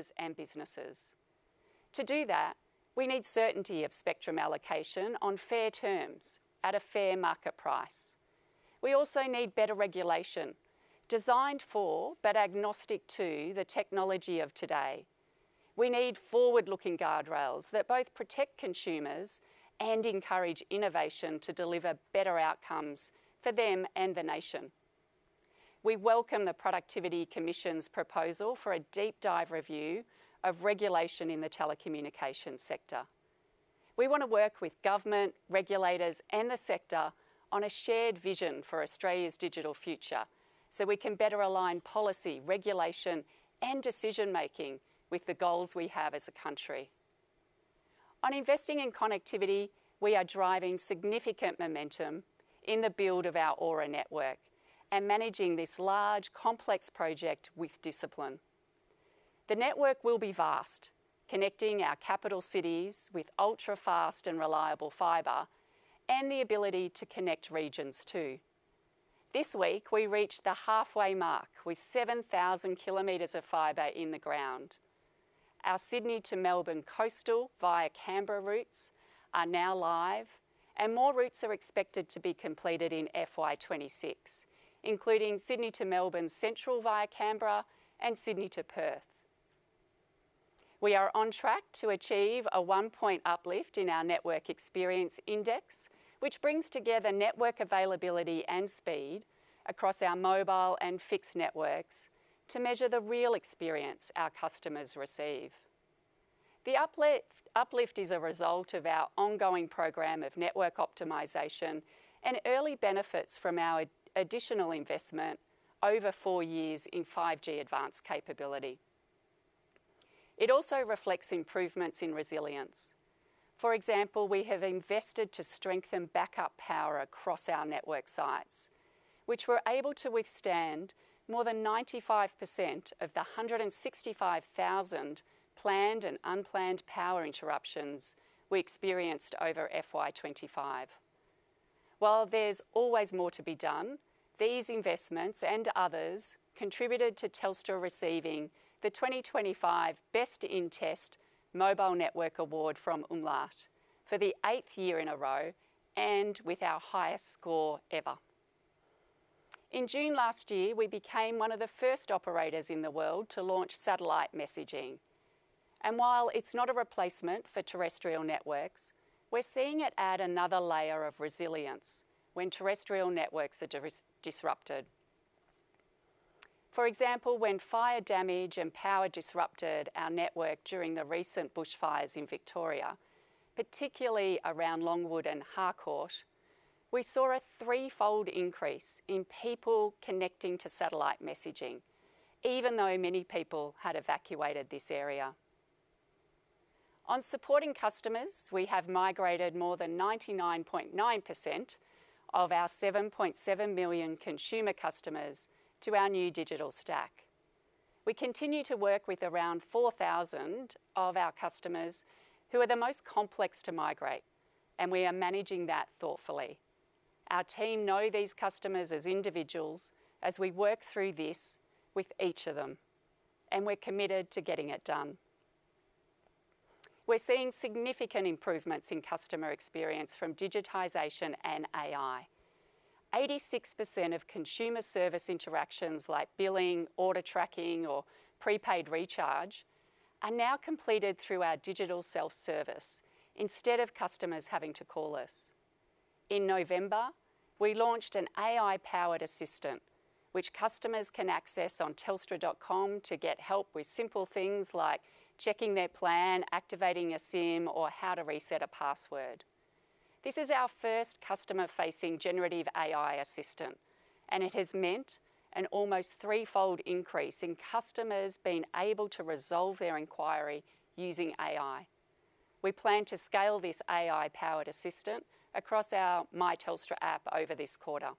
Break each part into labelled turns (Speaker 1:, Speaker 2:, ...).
Speaker 1: consumers and businesses. To do that, we need certainty of spectrum allocation on fair terms at a fair market price. We also need better regulation, designed for, but agnostic to, the technology of today. We need forward-looking guardrails that both protect consumers and encourage innovation to deliver better outcomes for them and the nation. We welcome the Productivity Commission's proposal for a deep dive review of regulation in the telecommunications sector. We want to work with government, regulators, and the sector on a shared vision for Australia's digital future, so we can better align policy, regulation, and decision-making with the goals we have as a country. On investing in connectivity, we are driving significant momentum in the build of our Aura network and managing this large, complex project with discipline. The network will be vast, connecting our capital cities with ultra-fast and reliable fiber and the ability to connect regions, too. This week, we reached the halfway mark with 7,000 km of fiber in the ground. Our Sydney to Melbourne coastal via Canberra routes are now live, and more routes are expected to be completed in FY 2026, including Sydney to Melbourne Central via Canberra and Sydney to Perth. We are on track to achieve a one-point uplift in our Network Experience Index, which brings together network availability and speed across our mobile and fixed networks to measure the real experience our customers receive. The uplift, uplift is a result of our ongoing program of network optimization and early benefits from our additional investment over four years in 5G Advanced capability. It also reflects improvements in resilience. For example, we have invested to strengthen backup power across our network sites, which were able to withstand more than 95% of the 165,000 planned and unplanned power interruptions we experienced over FY 2025. While there's always more to be done, these investments and others contributed to Telstra receiving the 2025 Best in Test Mobile Network Award from Umlaut for the eighth year in a row, and with our highest score ever. In June last year, we became one of the first operators in the world to launch satellite messaging. And while it's not a replacement for terrestrial networks, we're seeing it add another layer of resilience when terrestrial networks are disrupted. For example, when fire damage and power disrupted our network during the recent bushfires in Victoria, particularly around Longwood and Harcourt, we saw a threefold increase in people connecting to satellite messaging, even though many people had evacuated this area. On supporting customers, we have migrated more than 99.9% of our 7.7 million consumer customers to our new digital stack. We continue to work with around 4,000 of our customers who are the most complex to migrate, and we are managing that thoughtfully. Our team know these customers as individuals as we work through this with each of them, and we're committed to getting it done. We're seeing significant improvements in customer experience from digitization and AI. 86% of consumer service interactions, like billing, order tracking, or prepaid recharge, are now completed through our digital self-service instead of customers having to call us. In November, we launched an AI-powered assistant, which customers can access on Telstra.com to get help with simple things like checking their plan, activating a SIM, or how to reset a password. This is our first customer-facing generative AI assistant, and it has meant an almost threefold increase in customers being able to resolve their inquiry using AI. We plan to scale this AI-powered assistant across our My Telstra app over this quarter.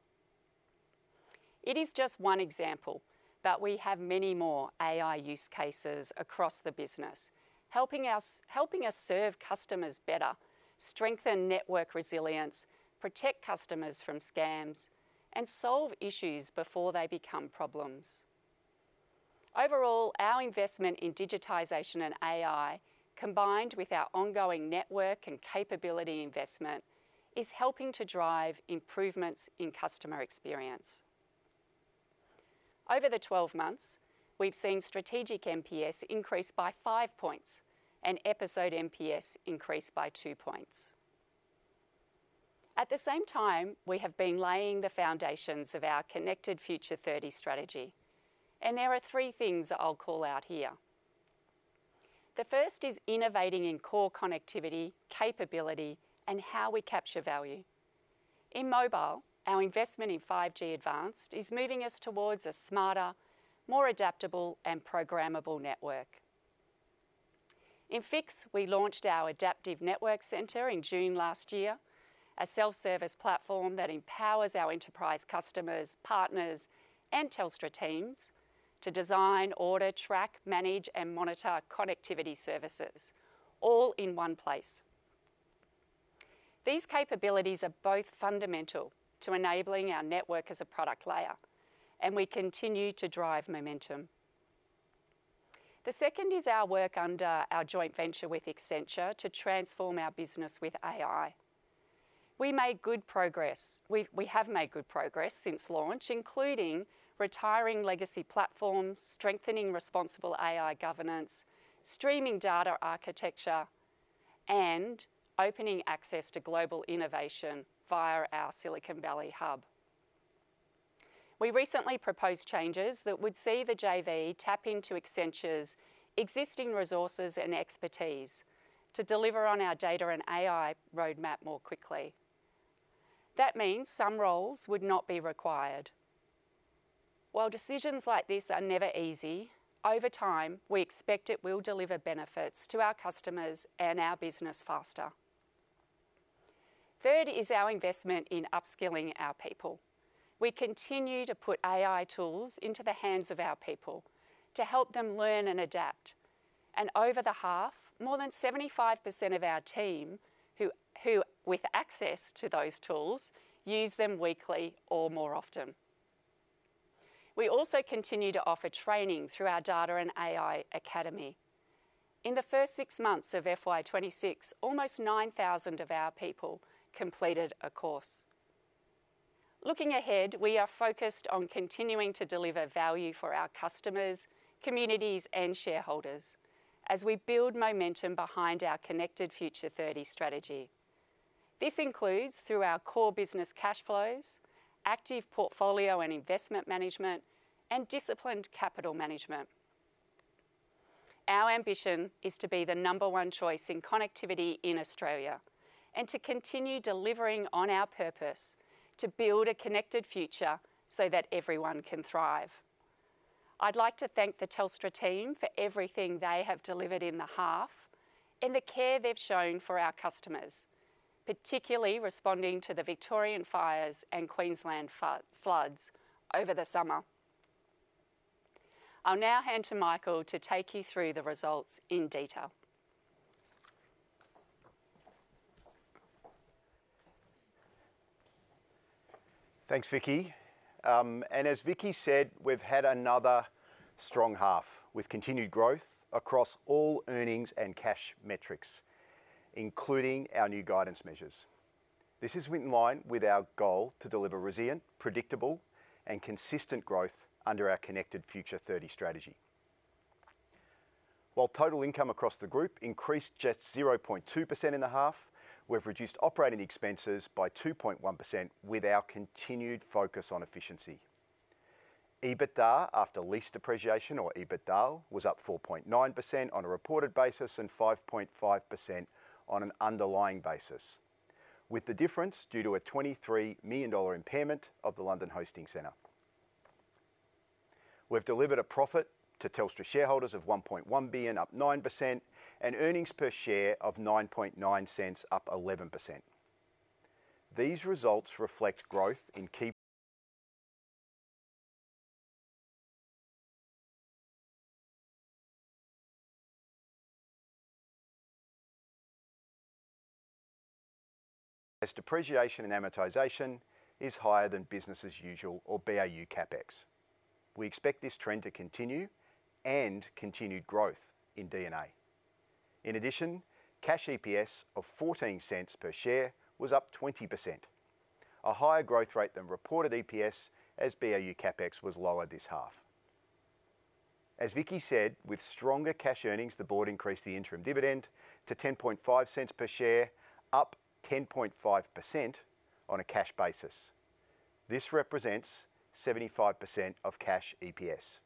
Speaker 1: It is just one example, but we have many more AI use cases across the business, helping us, helping us serve customers better, strengthen network resilience, protect customers from scams, and solve issues before they become problems. Overall, our investment in digitization and AI, combined with our ongoing network and capability investment, is helping to drive improvements in customer experience. Over the 12 months, we've seen strategic NPS increase by five points and episode NPS increase by two points. At the same time, we have been laying the foundations of our Connected Future 30 strategy, and there are three things I'll call out here. The first is innovating in core connectivity, capability, and how we capture value. In mobile, our investment in 5G Advanced is moving us towards a smarter, more adaptable, and programmable network. In Fixed, we launched our Adaptive Network Centre in June last year, a self-service platform that empowers our enterprise customers, partners, and Telstra teams to design, order, track, manage, and monitor connectivity services all in one place. These capabilities are both fundamental to enabling our network as a product layer, and we continue to drive momentum. The second is our work under our joint venture with Accenture to transform our business with AI. We have made good progress since launch, including retiring legacy platforms, strengthening responsible AI governance, streaming data architecture, and opening access to global innovation via our Silicon Valley hub. We recently proposed changes that would see the JV tap into Accenture's existing resources and expertise to deliver on our data and AI roadmap more quickly. That means some roles would not be required. While decisions like this are never easy, over time, we expect it will deliver benefits to our customers and our business faster. Third is our investment in upskilling our people. We continue to put AI tools into the hands of our people to help them learn and adapt. Over the half, more than 75% of our team who with access to those tools use them weekly or more often. We also continue to offer training through our Data and AI Academy. In the first six months of FY 2026, almost 9,000 of our people completed a course. Looking ahead, we are focused on continuing to deliver value for our customers, communities, and shareholders as we build momentum behind our Connected Future 30 strategy. This includes, through our core business cash flows, active portfolio and investment management, and disciplined capital management. Our ambition is to be the number one choice in connectivity in Australia, and to continue delivering on our purpose: to build a connected future so that everyone can thrive. I'd like to thank the Telstra team for everything they have delivered in the half and the care they've shown for our customers, particularly responding to the Victorian fires and Queensland floods over the summer. I'll now hand to Michael to take you through the results in detail.
Speaker 2: Thanks, Vicki. As Vicki said, we've had another strong half, with continued growth across all earnings and cash metrics, including our new guidance measures. This is in line with our goal to deliver resilient, predictable, and consistent growth under our Connected Future 30 strategy. While total income across the group increased just 0.2% in the half, we've reduced operating expenses by 2.1% with our continued focus on efficiency. EBITDA after lease depreciation, or EBITDAL, was up 4.9% on a reported basis and 5.5% on an underlying basis, with the difference due to an 23 million dollar impairment of the London Hosting Centre. We've delivered a profit to Telstra shareholders of 1.1 billion, up 9%, and earnings per share of 0.099, up 11%. These results reflect growth in key- Depreciation and amortization is higher than business as usual, or BAU CapEx. We expect this trend to continue and continued growth in D&A. In addition, cash EPS of 0.14 per share was up 20%, a higher growth rate than reported EPS as BAU CapEx was lower this half. As Vicki said, with stronger cash earnings, the board increased the interim dividend to 0.105 per share, up 10.5% on a cash basis. This represents 75% of cash EPS.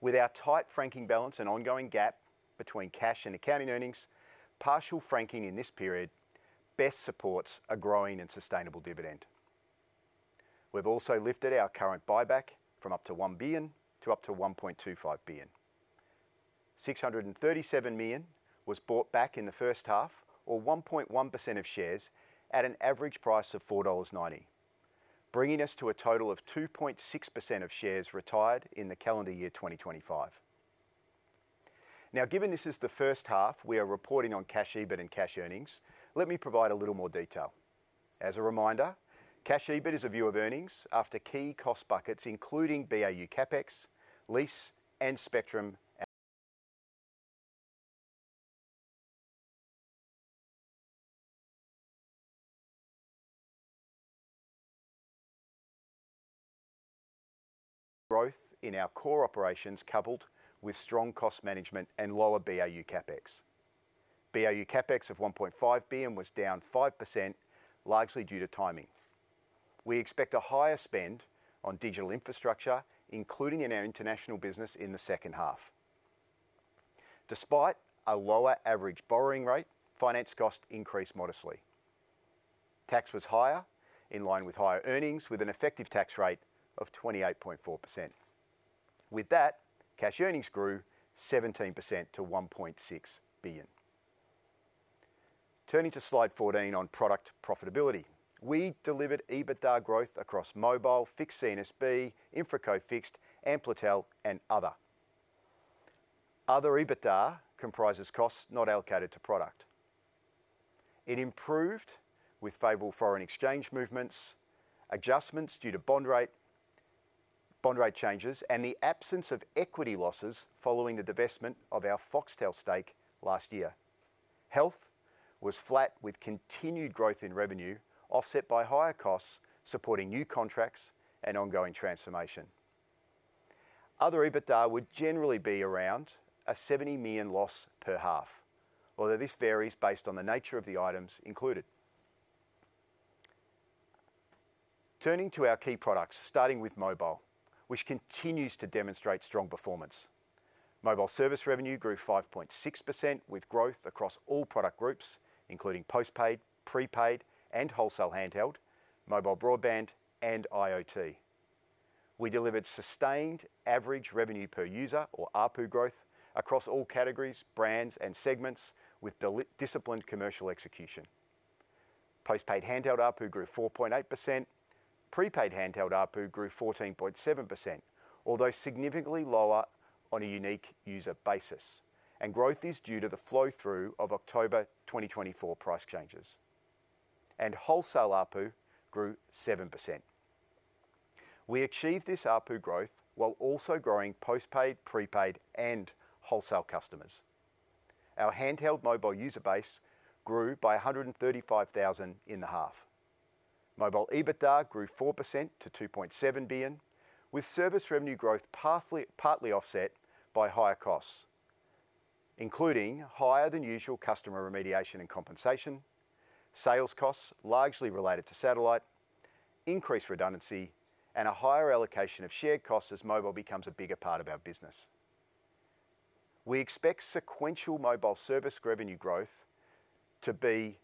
Speaker 2: With our tight franking balance and ongoing gap between cash and accounting earnings, partial franking in this period best supports a growing and sustainable dividend. We've also lifted our current buyback from up to 1 billion to up to 1.25 billion. 637 million was bought back in the first half, or 1.1% of shares, at an average price of 4.90 dollars, bringing us to a total of 2.6% of shares retired in the calendar year 2025. Now, given this is the first half we are reporting on cash EBIT and cash earnings, let me provide a little more detail. As a reminder, cash EBIT is a view of earnings after key cost buckets, including BAU CapEx, lease and spectrum and growth in our core operations, coupled with strong cost management and lower BAU CapEx. BAU CapEx of 1.5 billion was down 5%, largely due to timing. We expect a higher spend on digital infrastructure, including in our international business in the second half. Despite a lower average borrowing rate, finance costs increased modestly. Tax was higher, in line with higher earnings, with an effective tax rate of 28.4%. With that, cash earnings grew 17% to 1.6 billion. Turning to Slide 14 on product profitability, we delivered EBITDA growth across Mobile, Fixed C&SB, InfraCo Fixed, Amplitel, and Other. Other EBITDA comprises costs not allocated to product. It improved with favorable foreign exchange movements, adjustments due to bond rate, bond rate changes, and the absence of equity losses following the divestment of our Foxtel stake last year. Health was flat, with continued growth in revenue offset by higher costs, supporting new contracts and ongoing transformation. Other EBITDA would generally be around a 70 million loss per half, although this varies based on the nature of the items included. Turning to our key products, starting with mobile, which continues to demonstrate strong performance. Mobile service revenue grew 5.6%, with growth across all product groups, including postpaid, prepaid, and wholesale handheld, mobile broadband, and IoT. We delivered sustained average revenue per user or ARPU growth across all categories, brands, and segments with disciplined commercial execution. Postpaid handheld ARPU grew 4.8%. Prepaid handheld ARPU grew 14.7%, although significantly lower on a unique user basis, and growth is due to the flow-through of October 2024 price changes. Wholesale ARPU grew 7%. We achieved this ARPU growth while also growing postpaid, prepaid, and wholesale customers. Our handheld mobile user base grew by 135,000 in the half. Mobile EBITDA grew 4% to 2.7 billion, with service revenue growth partly offset by higher costs, including higher-than-usual customer remediation and compensation, sales costs largely related to satellite, increased redundancy, and a higher allocation of shared costs as mobile becomes a bigger part of our business. We expect sequential mobile service revenue growth to be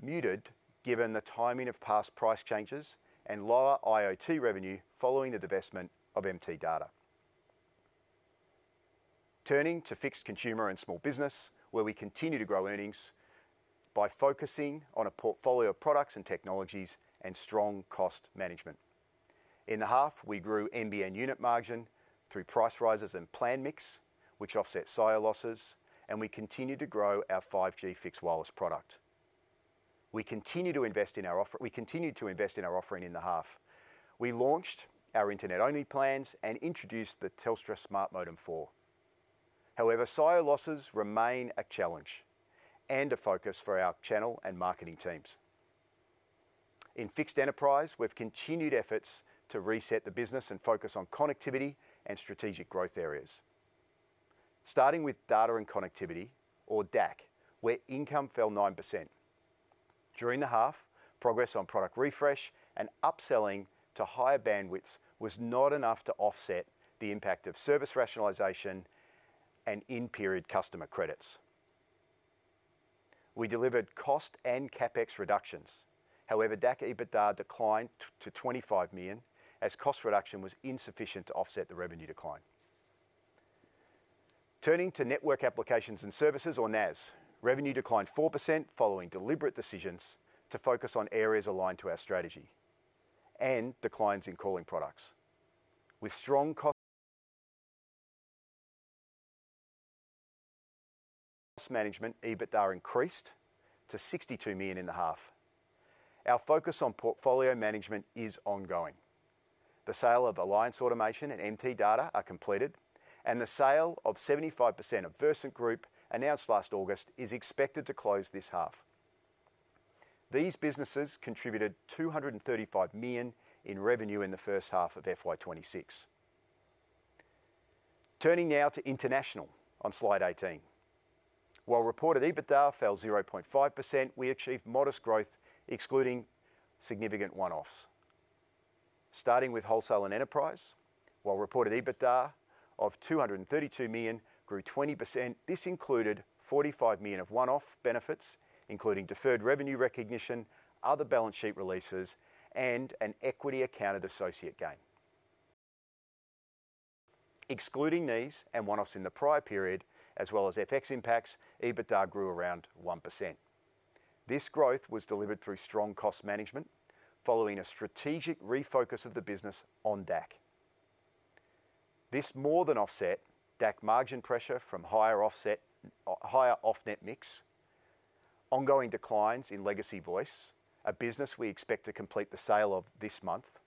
Speaker 2: muted, given the timing of past price changes and lower IoT revenue following the divestment of MTData. Turning to fixed consumer and small business, where we continue to grow earnings by focusing on a portfolio of products and technologies and strong cost management. In the half, we grew NBN unit margin through price rises and plan mix, which offset SIO losses, and we continued to grow our 5G fixed wireless product. We continued to invest in our offering in the half. We launched our internet-only plans and introduced the Telstra Smart Modem 4. However, SIO losses remain a challenge and a focus for our channel and marketing teams. In fixed enterprise, we've continued efforts to reset the business and focus on connectivity and strategic growth areas. Starting with Data and Connectivity, or DAC, where income fell 9%. During the half, progress on product refresh and upselling to higher bandwidths was not enough to offset the impact of service rationalization and in-period customer credits. We delivered cost and CapEx reductions. However, DAC EBITDA declined to 25 million, as cost reduction was insufficient to offset the revenue decline. Turning to network applications and services, or NAS, revenue declined 4%, following deliberate decisions to focus on areas aligned to our strategy and declines in calling products. With strong cost management, EBITDA increased to 62 million in the half. Our focus on portfolio management is ongoing. The sale of Alliance Automation and MTData are completed, and the sale of 75% of Versent, announced last August, is expected to close this half. These businesses contributed 235 million in revenue in the first half of FY 2026. Turning now to international on slide 18. While reported EBITDA fell 0.5%, we achieved modest growth, excluding significant one-offs. Starting with wholesale and enterprise, while reported EBITDA of 232 million grew 20%, this included 45 million of one-off benefits, including deferred revenue recognition, other balance sheet releases, and an equity accounted associate gain. Excluding these and one-offs in the prior period, as well as FX impacts, EBITDA grew around 1%. This growth was delivered through strong cost management following a strategic refocus of the business on DAC. This more than offset DAC margin pressure from higher off-net mix, ongoing declines in legacy voice, a business we expect to complete the sale of this month.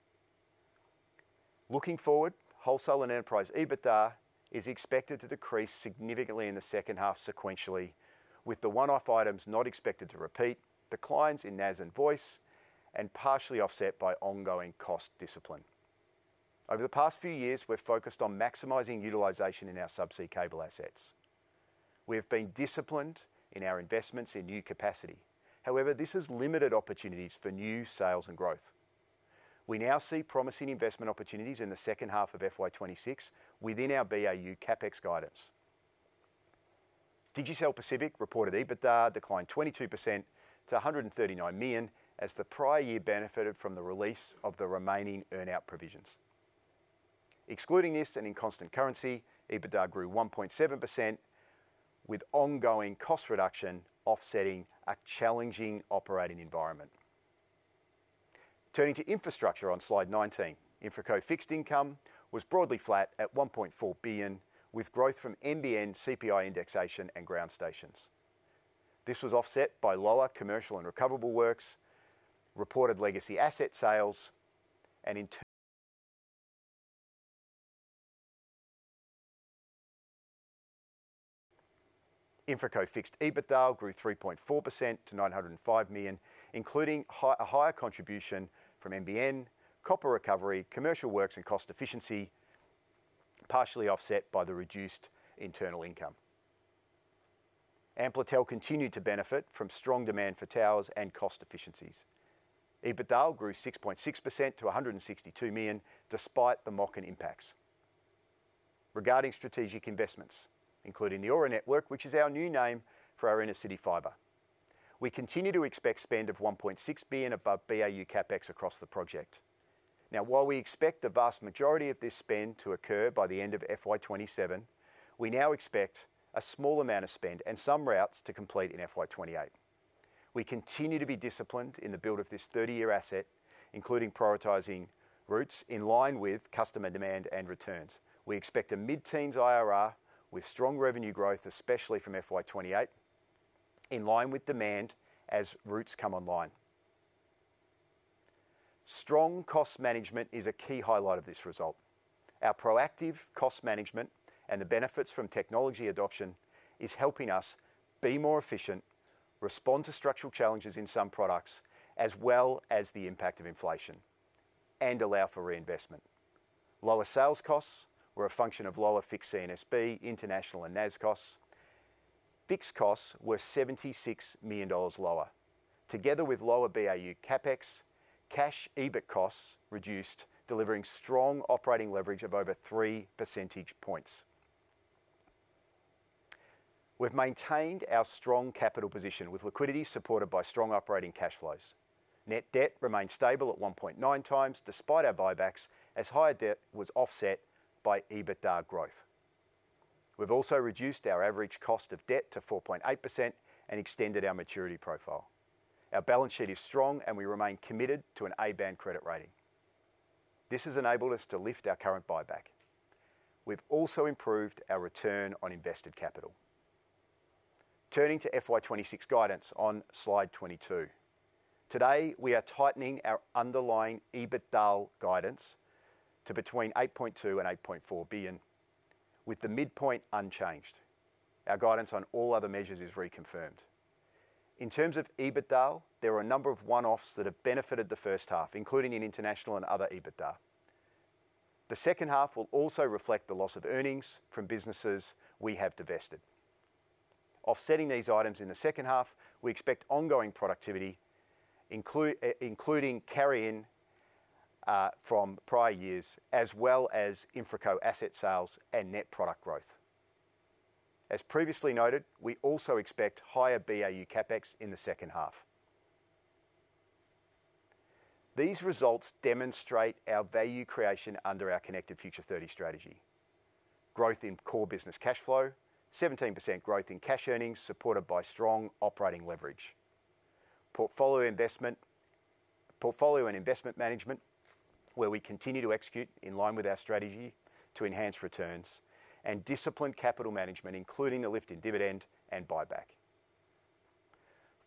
Speaker 2: Looking forward, wholesale and enterprise EBITDA is expected to decrease significantly in the second half sequentially, with the one-off items not expected to repeat, declines in NAS and voice, and partially offset by ongoing cost discipline. Over the past few years, we've focused on maximizing utilization in our subsea cable assets. We have been disciplined in our investments in new capacity. However, this has limited opportunities for new sales and growth. We now see promising investment opportunities in the second half of FY 2026 within our BAU CapEx guidance. Digicel Pacific reported EBITDA declined 22% to 139 million, as the prior year benefited from the release of the remaining earn-out provisions. Excluding this and in constant currency, EBITDA grew 1.7%, with ongoing cost reduction offsetting a challenging operating environment. Turning to infrastructure on Slide 19. InfraCo Fixed Income was broadly flat at 1.4 billion, with growth from NBN, CPI indexation, and ground stations. This was offset by lower commercial and recoverable works, reported legacy asset sales, and InfraCo Fixed EBITDA grew 3.4% to 905 million, including a higher contribution from NBN, copper recovery, commercial works and cost efficiency, partially offset by the reduced internal income. Amplitel continued to benefit from strong demand for towers and cost efficiencies. EBITDA grew 6.6% to 162 million, despite the MOCN impacts. Regarding strategic investments, including the Aura Network, which is our new name for our innercity Fibre. We continue to expect spend of 1.6 billion above BAU CapEx across the project. Now, while we expect the vast majority of this spend to occur by the end of FY 2027, we now expect a small amount of spend and some routes to complete in FY 2028. We continue to be disciplined in the build of this 30-year asset, including prioritizing routes in line with customer demand and returns. We expect a mid-teens IRR with strong revenue growth, especially from FY 2028, in line with demand as routes come online. Strong cost management is a key highlight of this result. Our proactive cost management and the benefits from technology adoption is helping us be more efficient, respond to structural challenges in some products, as well as the impact of inflation and allow for reinvestment. Lower sales costs were a function of lower Fixed C&SB, international and NAS costs. Fixed costs were 76 million dollars lower. Together with lower BAU CapEx, cash EBIT costs reduced, delivering strong operating leverage of over 3 percentage points. We've maintained our strong capital position with liquidity, supported by strong operating cash flows. Net debt remains stable at 1.9x despite our buybacks, as higher debt was offset by EBITDA growth. We've also reduced our average cost of debt to 4.8% and extended our maturity profile. Our balance sheet is strong, and we remain committed to an A-band credit rating. This has enabled us to lift our current buyback. We've also improved our return on invested capital. Turning to FY 2026 guidance on Slide 22. Today, we are tightening our underlying EBITDA guidance to between 8.2 billion-8.4 billion, with the midpoint unchanged. Our guidance on all other measures is reconfirmed. In terms of EBITDA, there are a number of one-offs that have benefited the first half, including in International and other EBITDA. The second half will also reflect the loss of earnings from businesses we have divested. Offsetting these items in the second half, we expect ongoing productivity, including carry-in from prior years, as well as InfraCo asset sales and net product growth. As previously noted, we also expect higher BAU CapEx in the second half. These results demonstrate our value creation under our Connected Future 30 strategy. Growth in core business cash flow, 17% growth in cash earnings, supported by strong operating leverage. Portfolio investment—portfolio and investment management, where we continue to execute in line with our strategy to enhance returns. Disciplined capital management, including the lift in dividend and buyback.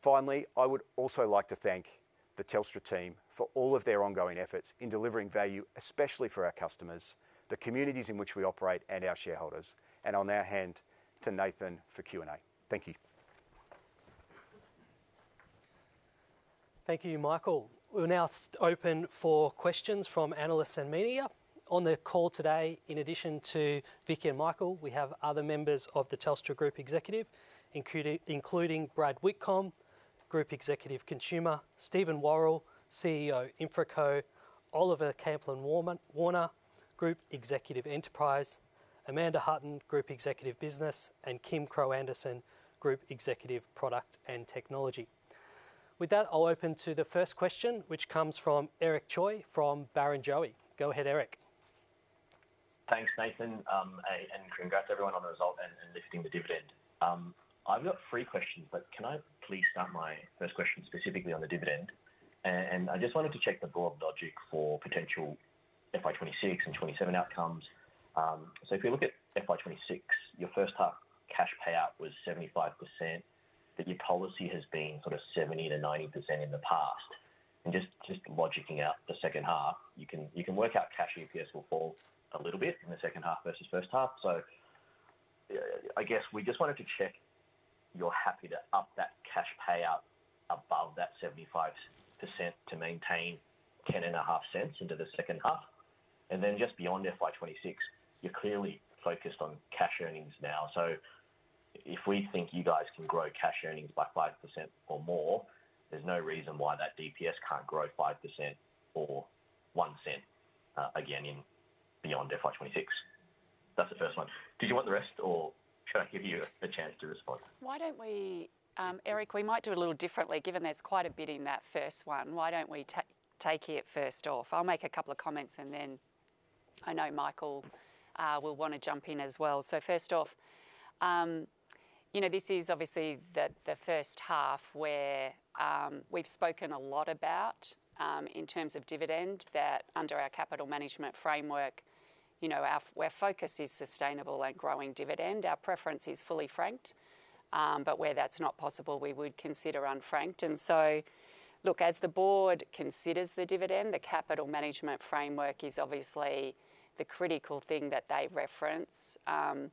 Speaker 2: Finally, I would also like to thank the Telstra team for all of their ongoing efforts in delivering value, especially for our customers, the communities in which we operate, and our shareholders. I'll now hand to Nathan for Q&A. Thank you.
Speaker 3: Thank you, Michael. We're now open for questions from analysts and media. On the call today, in addition to Vicki and Michael, we have other members of the Telstra Group executive, including Brad Whitcomb, Group Executive Consumer; Steven Worrall, CEO, InfraCo; Oliver Camplin-Warner, Group Executive, Enterprise; Amanda Hutton, Group Executive, Business; and Kim Krogh Andersen, Group Executive, Product and Technology. With that, I'll open to the first question, which comes from Eric Choi from Barrenjoey. Go ahead, Eric.
Speaker 4: Thanks, Nathan, and congrats everyone on the result and lifting the dividend. I've got three questions, but can I please start my first question specifically on the dividend? I just wanted to check the broad logic for potential FY 2026 and FY 2027 outcomes. If you look at FY 2026, your first half cash payout was 75%, but your policy has been sort of 70%-90% in the past. Just logicing out the second half, you can work out cash EPS will fall a little bit in the second half versus first half. I guess we just wanted to check you're happy to up that cash payout above that 75% to maintain 10.5 cents into the second half. And then just beyond FY 2026, you're clearly focused on cash earnings now. So if we think you guys can grow cash earnings by 5% or more, there's no reason why that DPS can't grow 5% or 0.01, again in beyond FY 2026. That's the first one. Did you want the rest, or should I give you a chance to respond?
Speaker 1: Why don't we, Eric, we might do it a little differently, given there's quite a bit in that first one. Why don't we take it first off? I'll make a couple of comments and then I know Michael will want to jump in as well. So first off, you know, this is obviously the first half where we've spoken a lot about in terms of dividend, that under our capital management framework, you know, our focus is sustainable and growing dividend. Our preference is fully franked, but where that's not possible, we would consider unfranked. And so, look, as the board considers the dividend, the capital management framework is obviously the critical thing that they reference. As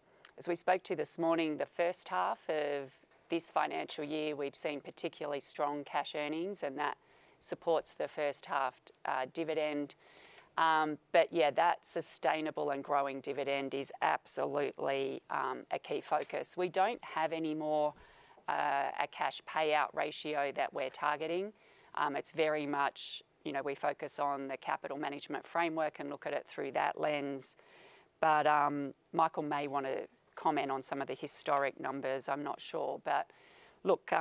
Speaker 1: we spoke to this morning, the first half of this financial year, we've seen particularly strong cash earnings, and that supports the first half, dividend. But yeah, that sustainable and growing dividend is absolutely, a key focus. We don't have any more, a cash payout ratio that we're targeting. It's very much, you know, we focus on the capital management framework and look at it through that lens. But, Michael may want to comment on some of the historic numbers. I'm not sure. But look,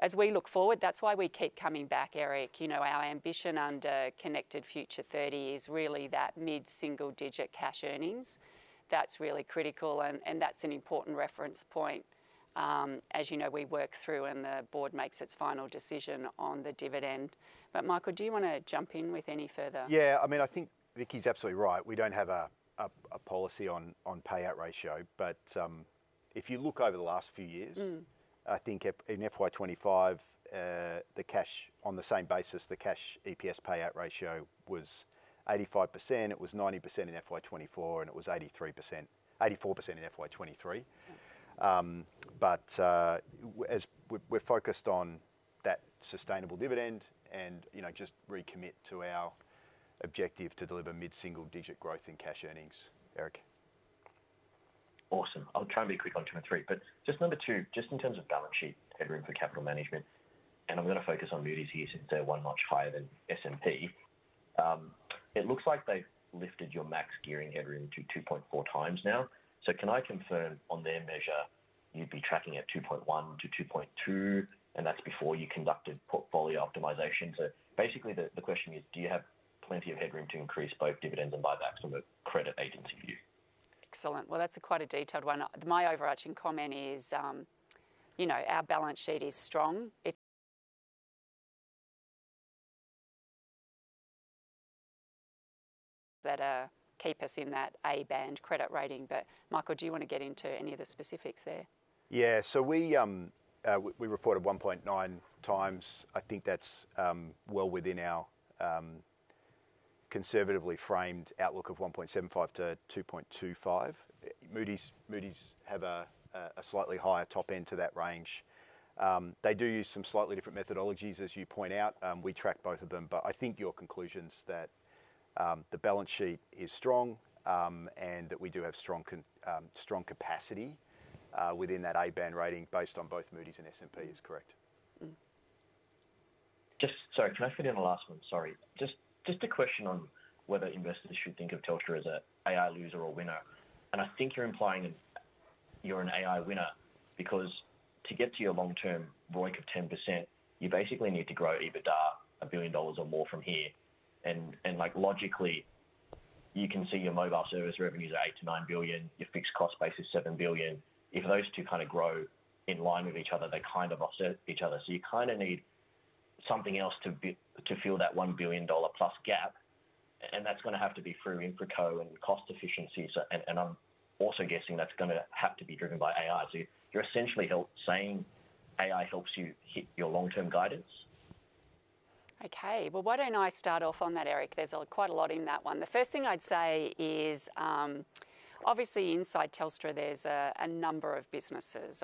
Speaker 1: as we look forward, that's why we keep coming back, Eric. You know, our ambition under Connected Future Thirty is really that mid-single-digit cash earnings. That's really critical, and that's an important reference point. As you know, we work through, and the board makes its final decision on the dividend. But Michael, do you want to jump in with any further?
Speaker 2: Yeah, I mean, I think Vicki's absolutely right. We don't have a policy on payout ratio, but if you look over the last few years, I think in FY 2025, the cash on the same basis, the cash EPS payout ratio was 85%, it was 90% in FY 2024, and it was 83%-84% in FY 2023. As we're focused on that sustainable dividend and, you know, just recommit to our objective to deliver mid-single-digit growth in cash earnings, Eric.
Speaker 4: Awesome. I'll try and be quick on two and three, but just number two, just in terms of balance sheet headroom for capital management, and I'm going to focus on Moody's here since they're one notch higher than S&P. It looks like they've lifted your max gearing headroom to 2.4x now. So can I confirm on their measure, you'd be tracking at 2.1x-2.2x, and that's before you conducted portfolio optimization? So basically, the question is: Do you have plenty of headroom to increase both dividends and buybacks from a credit agency view?
Speaker 1: Excellent. Well, that's quite a detailed one. My overarching comment is, you know, our balance sheet is strong. It... that, keep us in that A band credit rating. Michael, do you want to get into any of the specifics there?
Speaker 2: Yeah. So we reported 1.9x. I think that's well within our conservatively framed outlook of 1.75x-2.25x. Moody's have a slightly higher top end to that range. They do use some slightly different methodologies, as you point out. We track both of them, but I think your conclusion's that the balance sheet is strong, and that we do have strong capacity within that A band rating based on both Moody's and S&P is correct.
Speaker 4: Sorry, can I fit in a last one? Sorry. Just a question on whether investors should think of Telstra as an AI loser or winner. And I think you're implying you're an AI winner, because to get to your long-term ROIC of 10%, you basically need to grow EBITDA 1 billion dollars or more from here. And, like, logically, you can see your mobile service revenues are 8 billion-9 billion, your fixed cost base is 7 billion. If those two kind of grow in line with each other, they kind of offset each other. So you kind of need something else to fill that 1 billion dollar plus gap, and that's going to have to be through InfraCo and cost efficiencies. And I'm also guessing that's going to have to be driven by AI. So you're essentially saying AI helps you hit your long-term guidance?
Speaker 1: Okay, well, why don't I start off on that, Eric? There's quite a lot in that one. The first thing I'd say is, obviously, inside Telstra, there's a number of businesses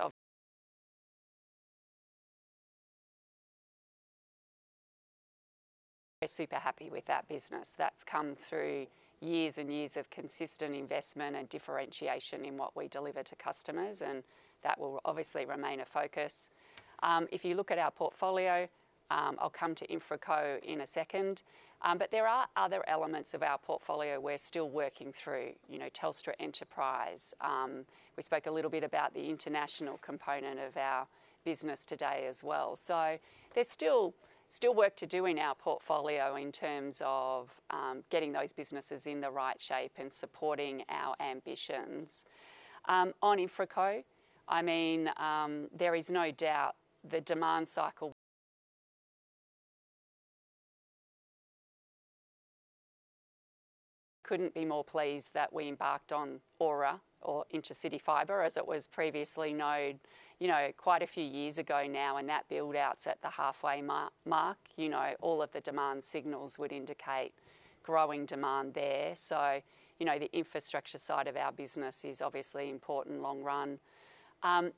Speaker 1: of... We're super happy with that business. That's come through years and years of consistent investment and differentiation in what we deliver to customers, and that will obviously remain a focus. If you look at our portfolio, I'll come to InfraCo in a second, but there are other elements of our portfolio we're still working through. You know, Telstra Enterprise. We spoke a little bit about the international component of our business today as well. There's still work to do in our portfolio in terms of getting those businesses in the right shape and supporting our ambitions. On InfraCo, I mean, there is no doubt the demand cycle couldn't be more pleased that we embarked on Aura or Intercity Fibre, as it was previously known, you know, quite a few years ago now, and that build-out's at the halfway mark. You know, all of the demand signals would indicate growing demand there. So, you know, the infrastructure side of our business is obviously important long run.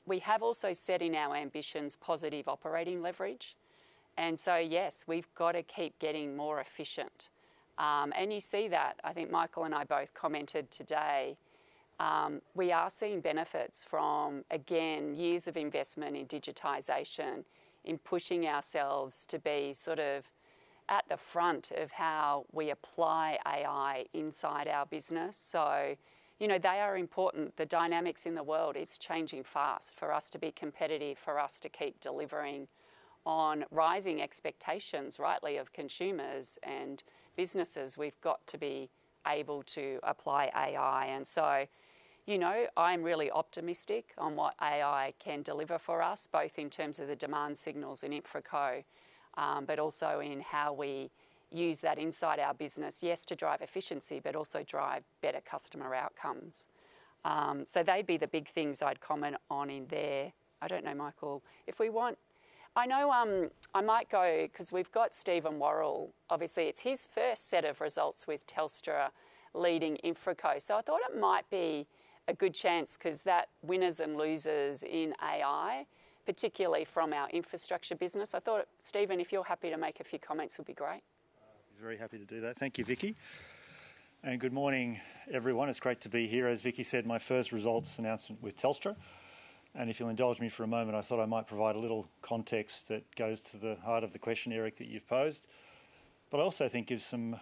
Speaker 1: We have also set in our ambitions positive operating leverage, and so yes, we've got to keep getting more efficient. And you see that. I think Michael and I both commented today, we are seeing benefits from, again, years of investment in digitization, in pushing ourselves to be sort of at the front of how we apply AI inside our business. So, you know, they are important. The dynamics in the world, it's changing fast. For us to be competitive, for us to keep delivering on rising expectations, rightly, of consumers and businesses, we've got to be able to apply AI. You know, I'm really optimistic on what AI can deliver for us, both in terms of the demand signals in InfraCo, but also in how we use that inside our business. Yes, to drive efficiency, but also drive better customer outcomes. They'd be the big things I'd comment on in there. I don't know, Michael, if we want—I know, I might go, 'cause we've got Steven Worrall. Obviously, it's his first set of results with Telstra leading InfraCo. I thought it might be a good chance, 'cause that winners and losers in AI, particularly from our infrastructure business. I thought, Steven, if you're happy to make a few comments, would be great.
Speaker 5: I'd be very happy to do that. Thank you, Vicki. Good morning, everyone. It's great to be here. As Vicki said, my first results announcement with Telstra, and if you'll indulge me for a moment, I thought I might provide a little context that goes to the heart of the question, Eric, that you've posed, but I also think gives some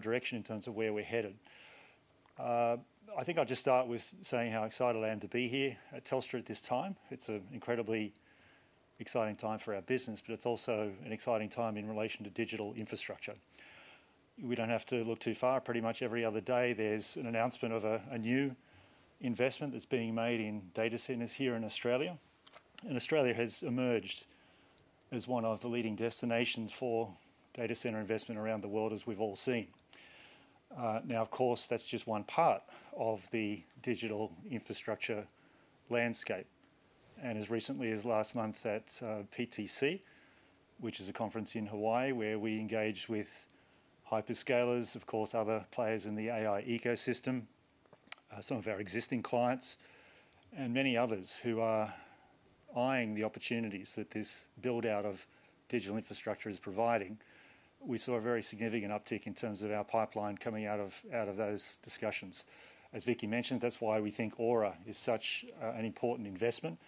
Speaker 5: direction in terms of where we're headed. I think I'll just start with saying how excited I am to be here at Telstra at this time. It's an incredibly exciting time for our business, but it's also an exciting time in relation to digital infrastructure. We don't have to look too far. Pretty much every other day, there's an announcement of a new investment that's being made in data centers here in Australia. Australia has emerged as one of the leading destinations for data center investment around the world, as we've all seen. Now, of course, that's just one part of the digital infrastructure landscape, and as recently as last month at PTC, which is a conference in Hawaii where we engaged with hyperscalers, of course, other players in the AI ecosystem, some of our existing clients and many others who are eyeing the opportunities that this build-out of digital infrastructure is providing. We saw a very significant uptick in terms of our pipeline coming out of those discussions. As Vicki mentioned, that's why we think Aura is such an important investment.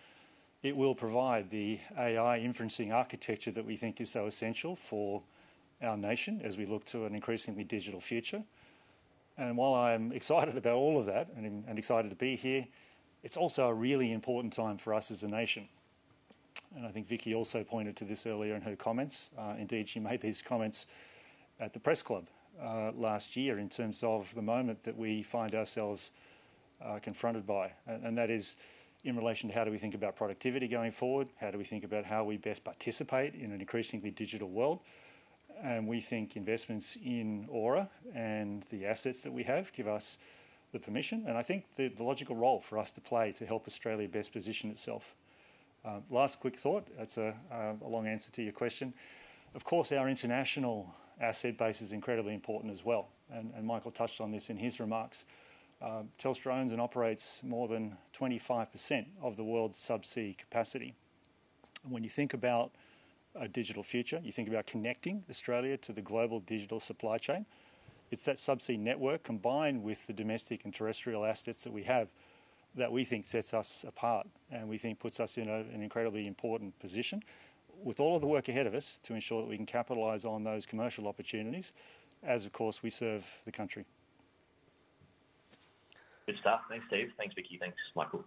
Speaker 5: It will provide the AI inferencing architecture that we think is so essential for our nation as we look to an increasingly digital future. And while I'm excited about all of that and, and excited to be here, it's also a really important time for us as a nation. And I think Vicki also pointed to this earlier in her comments. Indeed, she made these comments at the Press Club, last year in terms of the moment that we find ourselves, confronted by, and, and that is in relation to: how do we think about productivity going forward? How do we think about how we best participate in an increasingly digital world? And we think investments in Aura and the assets that we have give us the permission, and I think the, the logical role for us to play to help Australia best position itself. Last quick thought, that's a, a long answer to your question. Of course, our international asset base is incredibly important as well, and, and Michael touched on this in his remarks. Telstra owns and operates more than 25% of the world's subsea capacity. When you think about a digital future, you think about connecting Australia to the global digital supply chain. It's that subsea network, combined with the domestic and terrestrial assets that we have, that we think sets us apart and we think puts us in a, an incredibly important position. With all of the work ahead of us to ensure that we can capitalize on those commercial opportunities as, of course, we serve the country.
Speaker 4: Good stuff. Thanks, Steve. Thanks, Vicki. Thanks, Michael.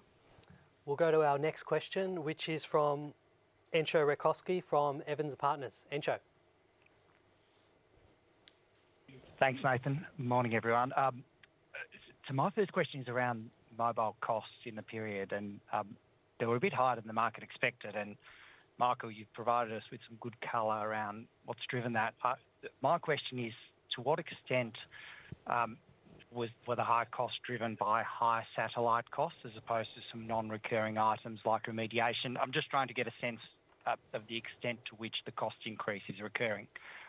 Speaker 3: We'll go to our next question, which is from Entcho Raykovski from Evans & Partners. Entcho?
Speaker 6: Thanks, Nathan. Morning, everyone. So my first question is around mobile costs in the period, and they were a bit higher than the market expected. And Michael, you've provided us with some good color around what's driven that. But my question is, to what extent were the high costs driven by high satellite costs as opposed to some non-recurring items like remediation? I'm just trying to get a sense of the extent to which the cost increase is recurring.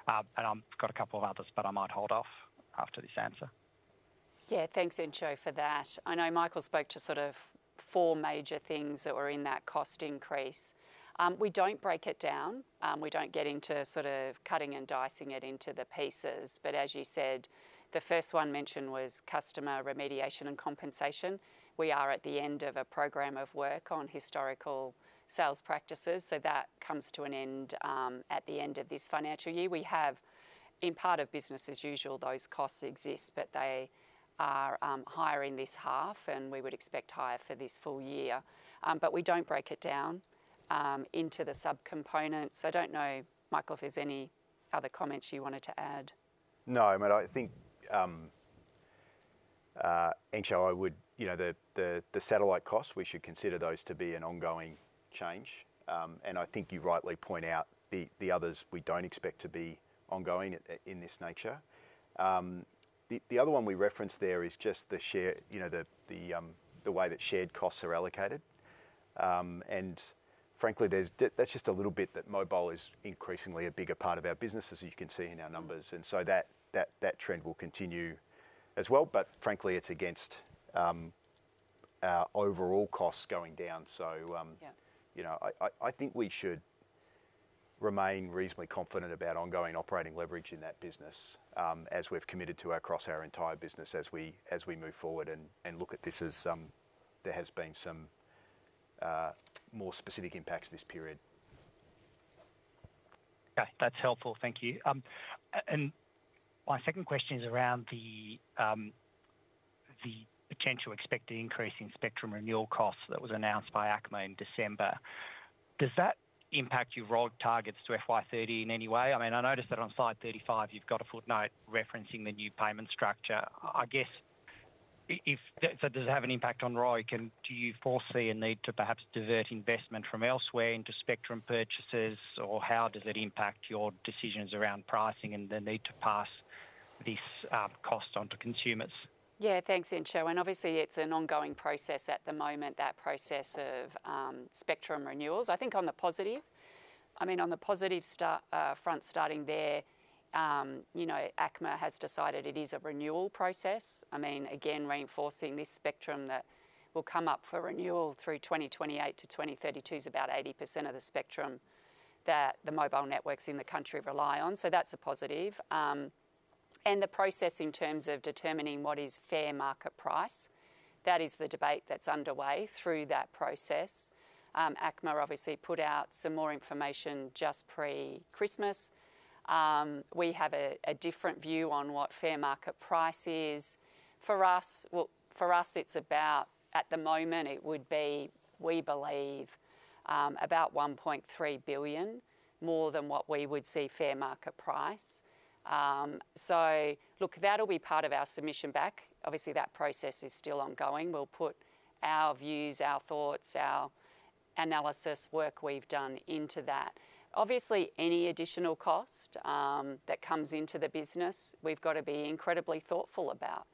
Speaker 6: And I've got a couple of others, but I might hold off after this answer.
Speaker 1: Yeah. Thanks, Entcho, for that. I know Michael spoke to sort of four major things that were in that cost increase. We don't break it down. We don't get into sort of cutting and dicing it into the pieces. But as you said, the first one mentioned was customer remediation and compensation. We are at the end of a program of work on historical sales practices, so that comes to an end at the end of this financial year. We have, in part of business as usual, those costs exist, but they are higher in this half, and we would expect higher for this full year. But we don't break it down into the subcomponents. So I don't know, Michael, if there's any other comments you wanted to add.
Speaker 2: No, but I think, Entcho, I would. You know, the, the, the satellite costs, we should consider those to be an ongoing change. And I think you rightly point out the, the others we don't expect to be ongoing at, in this nature. The, the other one we referenced there is just the share, you know, the, the, the way that shared costs are allocated. And frankly, that's just a little bit that mobile is increasingly a bigger part of our business, as you can see in our numbers, and so that, that, that trend will continue as well. But frankly, it's against, our overall costs going down. So, you know, I think we should remain reasonably confident about ongoing operating leverage in that business, as we've committed to across our entire business as we move forward and look at this as there has been some more specific impacts this period.
Speaker 6: Okay, that's helpful. Thank you. And my second question is around the potential expected increase in spectrum renewal costs that was announced by ACMA in December. Does that impact your ROIC targets to FY 2030 in any way? I mean, I noticed that on slide 35, you've got a footnote referencing the new payment structure. I guess, if—so does it have an impact on ROIC, and do you foresee a need to perhaps divert investment from elsewhere into spectrum purchases? Or how does it impact your decisions around pricing and the need to pass these costs on to consumers?
Speaker 1: Yeah, thanks, Entcho. And obviously, it's an ongoing process at the moment, that process of spectrum renewals. I think on the positive, I mean, on the positive front, starting there, you know, ACMA has decided it is a renewal process. I mean, again, reinforcing this spectrum that will come up for renewal through 2028-2032 is about 80% of the spectrum that the mobile networks in the country rely on, so that's a positive. And the process in terms of determining what is fair market price, that is the debate that's underway through that process. ACMA obviously put out some more information just pre-Christmas. We have a, a different view on what fair market price is. For us, well, for us, it's about, at the moment, it would be, we believe, about 1.3 billion more than what we would see fair market price. So look, that'll be part of our submission back. Obviously, that process is still ongoing. We'll put our views, our thoughts, our analysis work we've done into that. Obviously, any additional cost that comes into the business, we've got to be incredibly thoughtful about.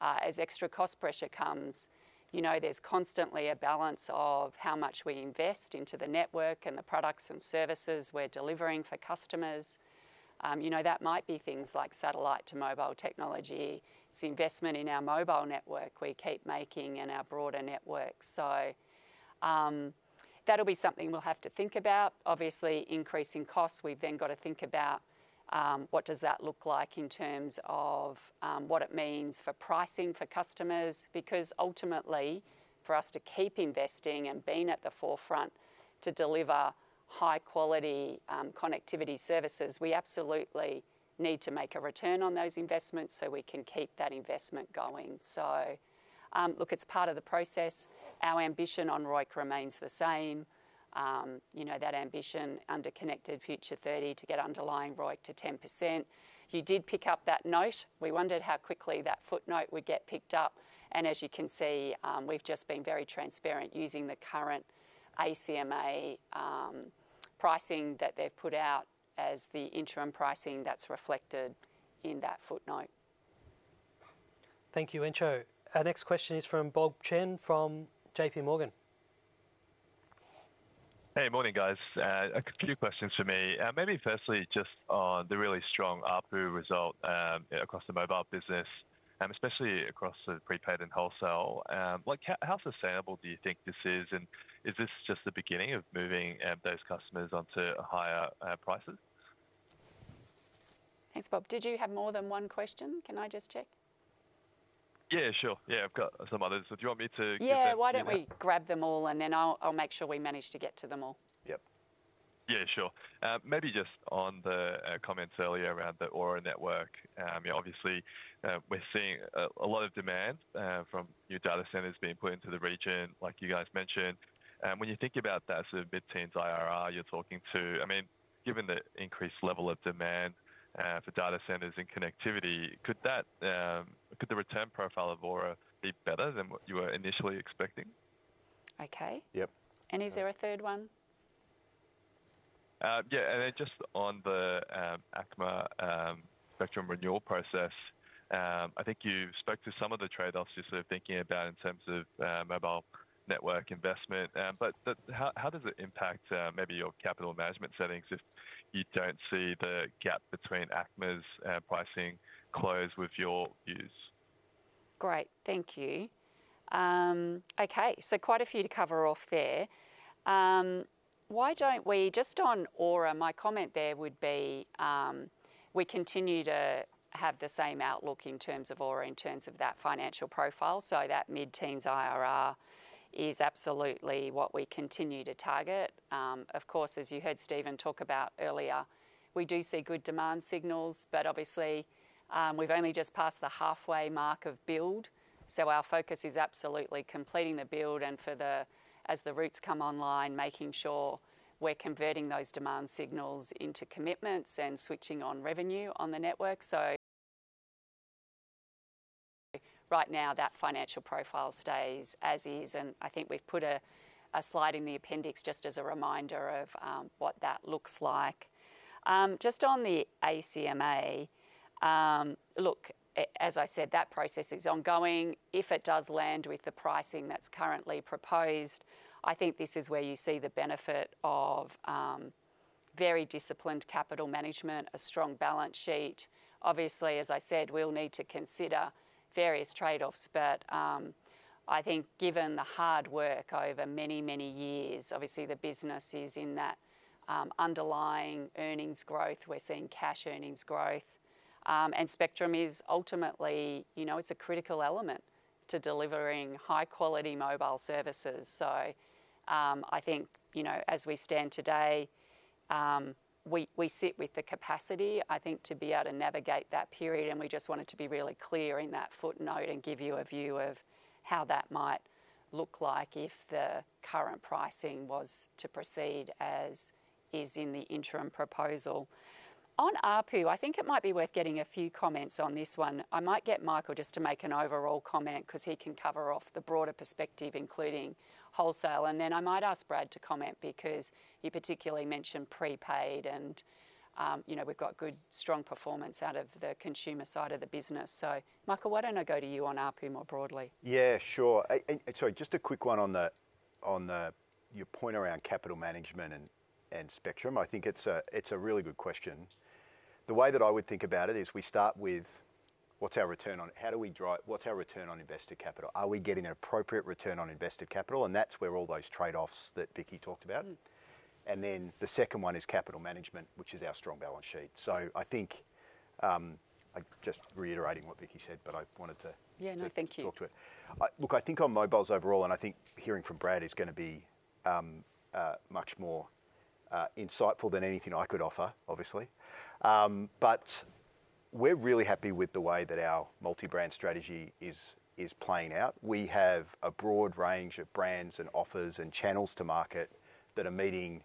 Speaker 1: As extra cost pressure comes, you know, there's constantly a balance of how much we invest into the network and the products and services we're delivering for customers. You know, that might be things like satellite to mobile technology, it's investment in our mobile network we keep making and our broader network. That'll be something we'll have to think about. Obviously, increasing costs, we've then got to think about what does that look like in terms of what it means for pricing for customers. Because ultimately, for us to keep investing and being at the forefront to deliver high-quality connectivity services, we absolutely need to make a return on those investments so we can keep that investment going. So, look, it's part of the process. Our ambition on ROIC remains the same. You know, that ambition under Connected Future 2030, to get underlying ROIC to 10%. You did pick up that note. We wondered how quickly that footnote would get picked up, and as you can see, we've just been very transparent using the current ACMA pricing that they've put out as the interim pricing that's reflected in that footnote.
Speaker 3: Thank you, Entcho. Our next question is from Bob Chen, from J.P. Morgan.
Speaker 7: Hey, morning, guys. A few questions from me. Maybe firstly, just on the really strong ARPU result, across the mobile business, and especially across the prepaid and wholesale. Like, how sustainable do you think this is? And is this just the beginning of moving, those customers onto higher, prices?
Speaker 1: Thanks, Bob. Did you have more than one question? Can I just check?
Speaker 7: Yeah, sure. Yeah, I've got some others. Do you want me to give them to you now?
Speaker 1: Yeah, why don't we grab them all, and then I'll, I'll make sure we manage to get to them all.
Speaker 7: Yep. Yeah, sure. Maybe just on the comments earlier around the Aura network. Yeah, obviously, we're seeing a lot of demand from new data centers being put into the region, like you guys mentioned. And when you think about that sort of mid-teens IRR, you're talking to... I mean, given the increased level of demand for data centers and connectivity, could the return profile of Aura be better than what you were initially expecting?
Speaker 1: Okay.
Speaker 7: Yep.
Speaker 1: Is there a third one?
Speaker 7: Yeah, and then just on the ACMA spectrum renewal process, I think you spoke to some of the trade-offs you're sort of thinking about in terms of mobile network investment. But how does it impact maybe your capital management settings if you don't see the gap between ACMA's pricing close with your views?
Speaker 1: Great. Thank you. Okay, so quite a few to cover off there. Why don't we. Just on Aura, my comment there would be, we continue to have the same outlook in terms of Aura, in terms of that financial profile. So that mid-teens IRR is absolutely what we continue to target. Of course, as you heard Steven talk about earlier, we do see good demand signals, but obviously, we've only just passed the halfway mark of build, so our focus is absolutely completing the build and for the, as the routes come online, making sure we're converting those demand signals into commitments and switching on revenue on the network. So right now, that financial profile stays as is, and I think we've put a, a slide in the appendix just as a reminder of, what that looks like. Just on the ACMA, look, as I said, that process is ongoing. If it does land with the pricing that's currently proposed, I think this is where you see the benefit of very disciplined capital management, a strong balance sheet. Obviously, as I said, we'll need to consider various trade-offs, but I think given the hard work over many, many years, obviously the business is in that underlying earnings growth. We're seeing cash earnings growth and spectrum is ultimately, you know, it's a critical element to delivering high-quality mobile services. So, I think, you know, as we stand today, we sit with the capacity, I think, to be able to navigate that period, and we just wanted to be really clear in that footnote and give you a view of how that might look like if the current pricing was to proceed as is in the interim proposal. On ARPU, I think it might be worth getting a few comments on this one. I might get Michael just to make an overall comment, 'cause he can cover off the broader perspective, including wholesale. And then I might ask Brad to comment because he particularly mentioned prepaid and, you know, we've got good, strong performance out of the consumer side of the business. So Michael, why don't I go to you on ARPU more broadly?
Speaker 2: Yeah, sure. Sorry, just a quick one on your point around capital management and spectrum. I think it's a really good question. The way that I would think about it is we start with: what's our return on-- how do we drive. What's our return on invested capital? Are we getting an appropriate return on invested capital? And that's where all those trade-offs that Vicki talked about. Then the second one is capital management, which is our strong balance sheet. So I think, I just reiterating what Vicki said, but I wanted to-
Speaker 1: Yeah. No, thank you.
Speaker 2: To talk to it. Look, I think on mobiles overall, and I think hearing from Brad is gonna be much more insightful than anything I could offer, obviously. But we're really happy with the way that our multi-brand strategy is playing out. We have a broad range of brands and offers and channels to market that are meeting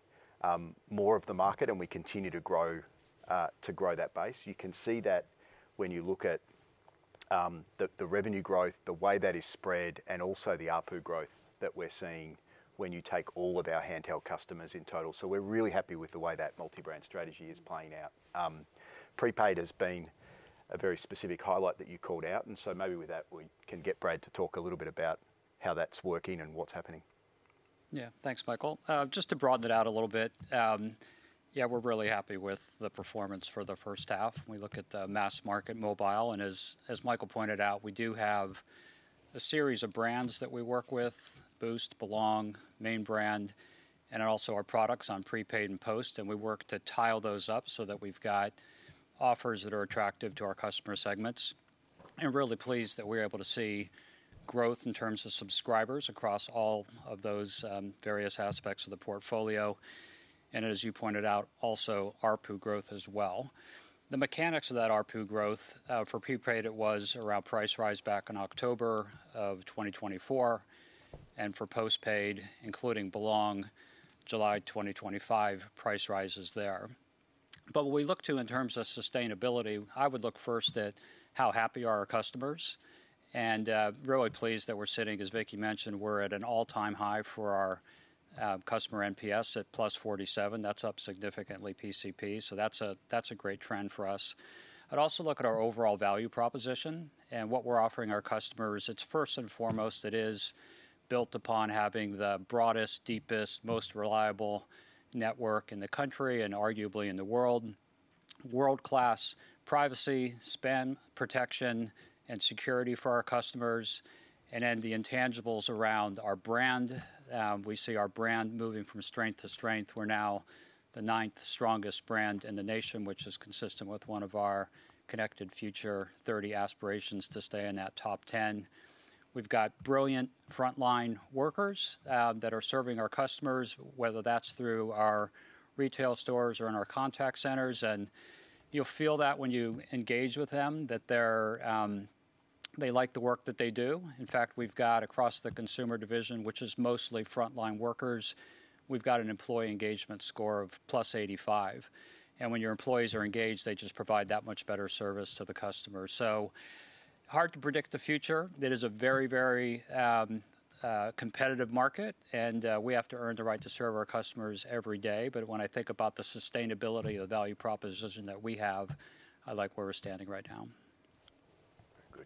Speaker 2: more of the market, and we continue to grow that base. You can see that when you look at the revenue growth, the way that is spread, and also the ARPU growth that we're seeing when you take all of our handheld customers in total. So we're really happy with the way that multi-brand strategy is playing out. Prepaid has been a very specific highlight that you called out, and so maybe with that, we can get Brad to talk a little bit about how that's working and what's happening.
Speaker 8: Yeah. Thanks, Michael. Just to broaden it out a little bit, yeah, we're really happy with the performance for the first half. We look at the mass market mobile, and as Michael pointed out, we do have a series of brands that we work with: Boost, Belong, main brand, and also our products on prepaid and post, and we work to tile those up so that we've got offers that are attractive to our customer segments. I'm really pleased that we're able to see growth in terms of subscribers across all of those various aspects of the portfolio, and as you pointed out, also ARPU growth as well. The mechanics of that ARPU growth, for prepaid, it was around price rise back in October 2024, and for postpaid, including Belong, July 2025, price rises there. What we look to in terms of sustainability, I would look first at how happy are our customers, and really pleased that we're sitting, as Vicki mentioned, we're at an all-time high for our customer NPS at +47. That's up significantly PCP, so that's a great trend for us. I'd also look at our overall value proposition and what we're offering our customers. It's first and foremost, it is built upon having the broadest, deepest, most reliable network in the country and arguably in the world. World-class privacy, spam protection, and security for our customers, and then the intangibles around our brand. We see our brand moving from strength to strength. We're now the ninth strongest brand in the nation, which is consistent with one of our connected future 30 aspirations to stay in that top 10. We've got brilliant frontline workers that are serving our customers, whether that's through our retail stores or in our contact centers, and you'll feel that when you engage with them, that they're they like the work that they do. In fact, we've got across the consumer division, which is mostly frontline workers, we've got an employee engagement score of +85, and when your employees are engaged, they just provide that much better service to the customer. So hard to predict the future. It is a very, very competitive market, and we have to earn the right to serve our customers every day. But when I think about the sustainability of the value proposition that we have, I like where we're standing right now.
Speaker 2: Very good.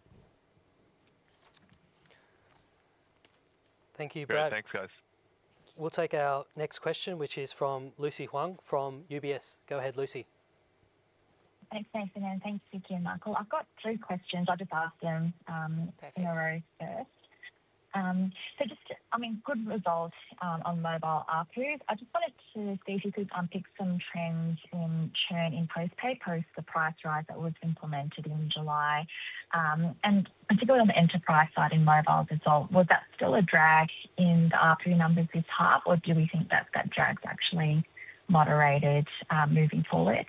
Speaker 3: Thank you, Brad.
Speaker 7: Yeah, thanks, guys.
Speaker 3: We'll take our next question, which is from Lucy Huang from UBS. Go ahead, Lucy.
Speaker 9: Thanks, Nathan, and thanks, Vicki and Michael. I've got three questions. I'll just ask them.
Speaker 1: Perfect.
Speaker 9: In a row first. I mean, good results, I just wanted to see if you could unpick some trends in churn in postpaid post the price rise that was implemented in July. I mean, particularly on the enterprise side, in mobile result, was that still a drag in the ARPU numbers this half, or do we think that that drag's actually moderated, moving forward?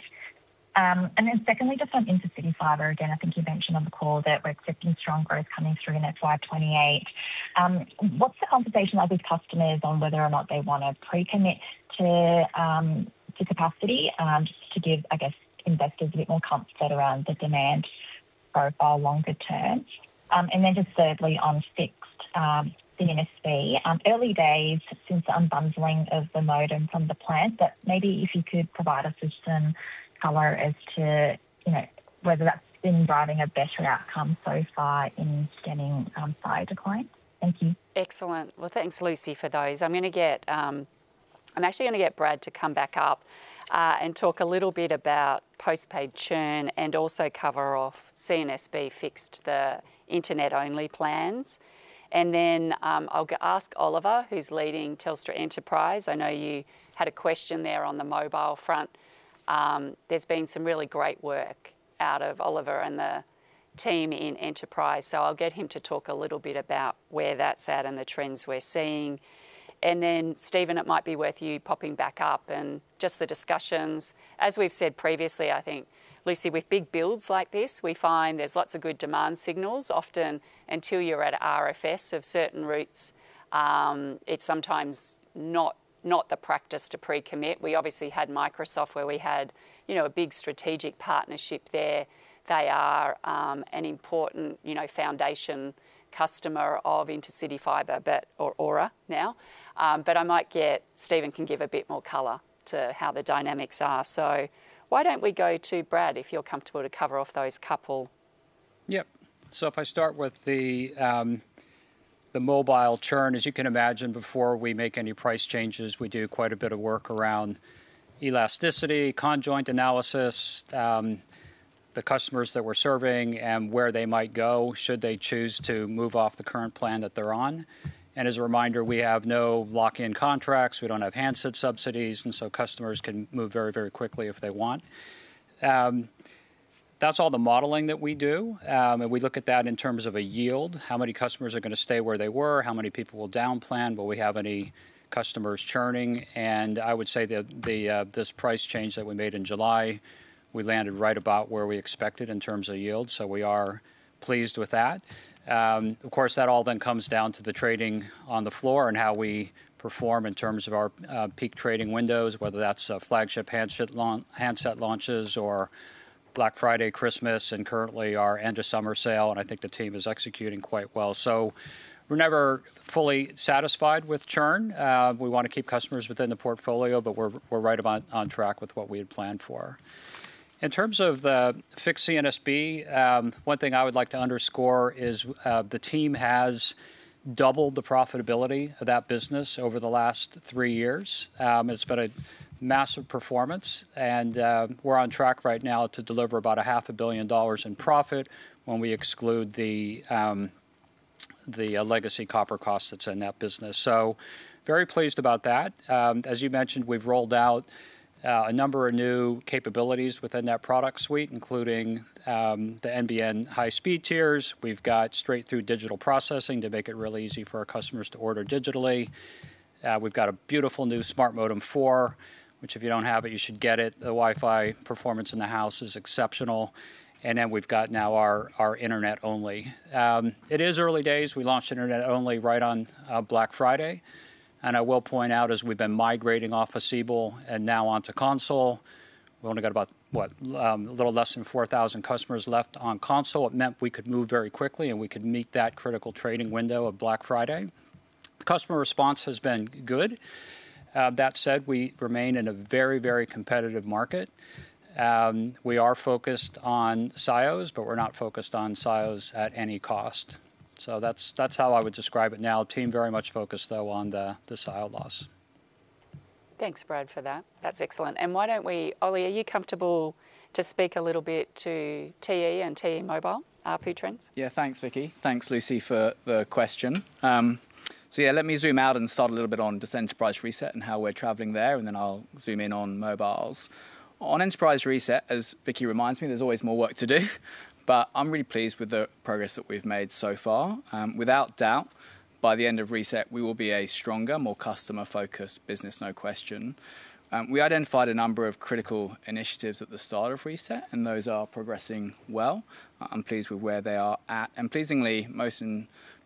Speaker 9: Then secondly, just on Intercity Fibre, again, I think you mentioned on the call that we're expecting strong growth coming through in that FY 2028. What's the conversation like with customers on whether or not they want to pre-commit to capacity? Just to give, I guess, investors a bit more comfort around the demand profile longer term. And then just thirdly, on fixed, C&SB, early days since the unbundling of the modem from the plan, but maybe if you could provide us with some color as to, you know, whether that's been driving a better outcome so far in getting churn declines. Thank you.
Speaker 1: Excellent. Well, thanks, Lucy, for those. I'm gonna get—actually gonna get Brad to come back up and talk a little bit about postpaid churn and also cover off C&SB Fixed, the internet-only plans. And then, I'll ask Oliver, who's leading Telstra Enterprise. I know you had a question there on the mobile front. There's been some really great work out of Oliver and the team in Enterprise, so I'll get him to talk a little bit about where that's at and the trends we're seeing. And then, Steven, it might be worth you popping back up and just the discussions. As we've said previously, I think, Lucy, with big builds like this, we find there's lots of good demand signals. Often, until you're at RFS of certain routes, it's sometimes not the practice to pre-commit. We obviously had Microsoft, where we had, you know, a big strategic partnership there. They are, an important, you know, foundation customer of Intercity Fibre, but or Aura now. But I might get Stephen can give a bit more color to how the dynamics are. So why don't we go to Brad, if you're comfortable, to cover off those couple?
Speaker 8: Yep. So if I start with the mobile churn, as you can imagine, before we make any price changes, we do quite a bit of work around elasticity, conjoint analysis, the customers that we're serving and where they might go should they choose to move off the current plan that they're on. And as a reminder, we have no lock-in contracts, we don't have handset subsidies, and so customers can move very, very quickly if they want. That's all the modeling that we do. And we look at that in terms of a yield, how many customers are gonna stay where they were, how many people will down plan, will we have any customers churning? And I would say that the this price change that we made in July, we landed right about where we expected in terms of yield. So we are pleased with that. Of course, that all then comes down to the trading on the floor and how we perform in terms of our peak trading windows, whether that's a flagship handset launches or Black Friday, Christmas, and currently our end of summer sale, and I think the team is executing quite well. So we're never fully satisfied with churn. We want to keep customers within the portfolio, but we're, we're right about on track with what we had planned for. In terms of the fixed C&SB, one thing I would like to underscore is the team has doubled the profitability of that business over the last three years. It's been a massive performance, and we're on track right now to deliver about 500 million dollars in profit when we exclude the legacy copper cost that's in that business. So very pleased about that. As you mentioned, we've rolled out a number of new capabilities within that product suite, including the NBN high-speed tiers. We've got straight-through digital processing to make it really easy for our customers to order digitally. We've got a beautiful new Smart Modem 4, which, if you don't have it, you should get it. The Wi-Fi performance in the house is exceptional. And then we've got now our internet only. It is early days. We launched internet only right on Black Friday, and I will point out, as we've been migrating off of Siebel and now onto Console, we've only got about a little less than 4,000 customers left on Console. It meant we could move very quickly, and we could meet that critical trading window of Black Friday. The customer response has been good. That said, we remain in a very, very competitive market. We are focused on SIOs, but we're not focused on SIOs at any cost. So that's how I would describe it now. Team very much focused, though, on the SIOs loss.
Speaker 1: Thanks, Brad, for that. That's excellent. And why don't we. Oliver, are you comfortable to speak a little bit to TE and TE Mobile, P trends?
Speaker 10: Yeah. Thanks, Vicki. Thanks, Lucy, for the question. So yeah, let me zoom out and start a little bit on just Enterprise Reset and how we're traveling there, and then I'll zoom in on mobiles. On Enterprise Reset, as Vicki reminds me, there's always more work to do, but I'm really pleased with the progress that we've made so far. Without doubt, by the end of Reset, we will be a stronger, more customer-focused business, no question. We identified a number of critical initiatives at the start of Reset, and those are progressing well. I'm pleased with where they are at. And pleasingly, most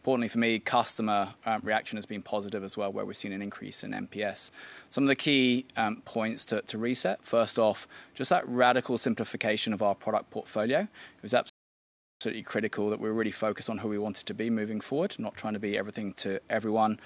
Speaker 10: importantly for me, customer reaction has been positive as well, where we've seen an increase in NPS. Some of the key points to reset, first off, just that radical simplification of our product portfolio. It was absolutely critical that we were really focused on who we wanted to be moving forward, not trying to be everything to everyone.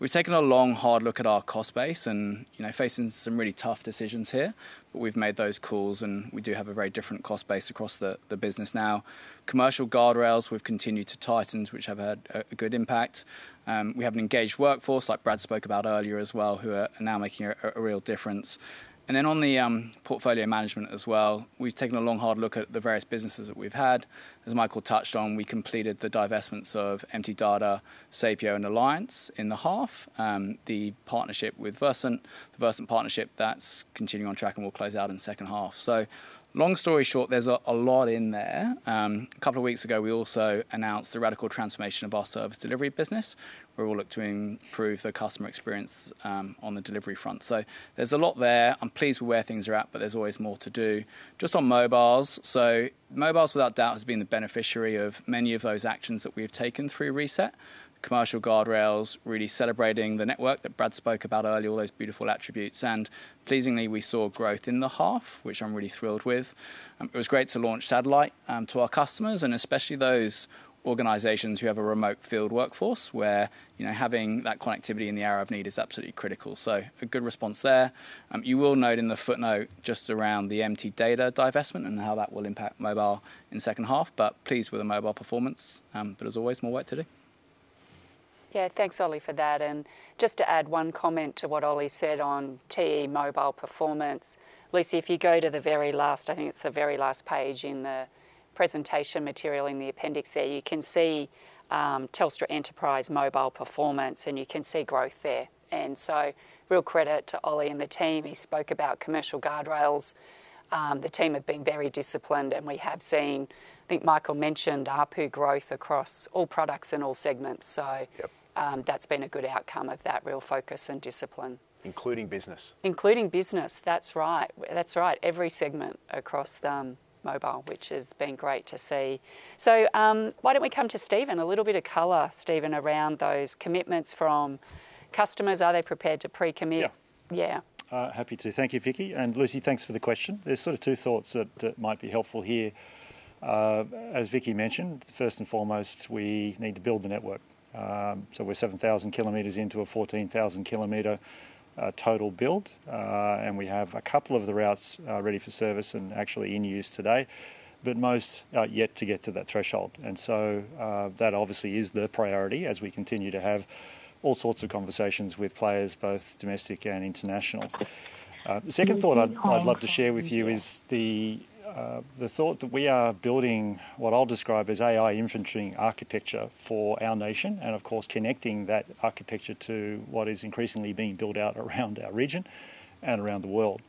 Speaker 10: We've taken a long, hard look at our cost base and, you know, facing some really tough decisions here, but we've made those calls, and we do have a very different cost base across the business now. Commercial guardrails, we've continued to tighten, which have had a good impact. We have an engaged workforce, like Brad spoke about earlier as well, who are now making a real difference. And then on the portfolio management as well, we've taken a long, hard look at the various businesses that we've had. As Michael touched on, we completed the divestments of MTData, Sapio, and Alliance in the half. The partnership with Versent, the Versent partnership, that's continuing on track and will close out in the second half. So long story short, there's a lot in there. A couple of weeks ago, we also announced the radical transformation of our service delivery business, where we'll look to improve the customer experience, on the delivery front. So there's a lot there. I'm pleased with where things are at, but there's always more to do. Just on mobiles, so mobiles, without doubt, has been the beneficiary of many of those actions that we've taken through Reset. Commercial guardrails, really celebrating the network that Brad spoke about earlier, all those beautiful attributes. And pleasingly, we saw growth in the half, which I'm really thrilled with. It was great to launch satellite to our customers, and especially those organizations who have a remote field workforce, where, you know, having that connectivity in the hour of need is absolutely critical. So a good response there. You will note in the footnote, just around the MTData divestment and how that will impact mobile in second half, but pleased with the mobile performance, but there's always more work to do.
Speaker 1: Yeah, thanks, Oliver, for that. And just to add one comment to what Ollie said on TE mobile performance. Lucy, if you go to the very last, I think it's the very last page in the presentation material in the appendix there, you can see, Telstra Enterprise mobile performance, and you can see growth there. And so real credit to Ollie and the team. He spoke about commercial guardrails. The team have been very disciplined, and we have seen, I think Michael mentioned, ARPU growth across all products and all segments. So.
Speaker 10: Yep.
Speaker 1: That's been a good outcome of that real focus and discipline.
Speaker 11: Including business?
Speaker 1: Including business. That's right. That's right, every segment across mobile, which has been great to see. So, why don't we come to Stephen? A little bit of color, Stephen, around those commitments from customers. Are they prepared to pre-commit?
Speaker 5: Yeah.
Speaker 1: Yeah.
Speaker 5: Happy to. Thank you, Vicki, and Lucy, thanks for the question. There's sort of two thoughts that might be helpful here. As Vicki mentioned, first and foremost, we need to build the network. So we're 7,000 kilometers into a 14,000 kilometer total build. And we have a couple of the routes ready for service and actually in use today, but most are yet to get to that threshold. And so that obviously is the priority as we continue to have all sorts of conversations with players, both domestic and international. The second thought I'd love to share with you is the thought that we are building what I'll describe as AI engineering architecture for our nation, and of course, connecting that architecture to what is increasingly being built out around our region and around the world.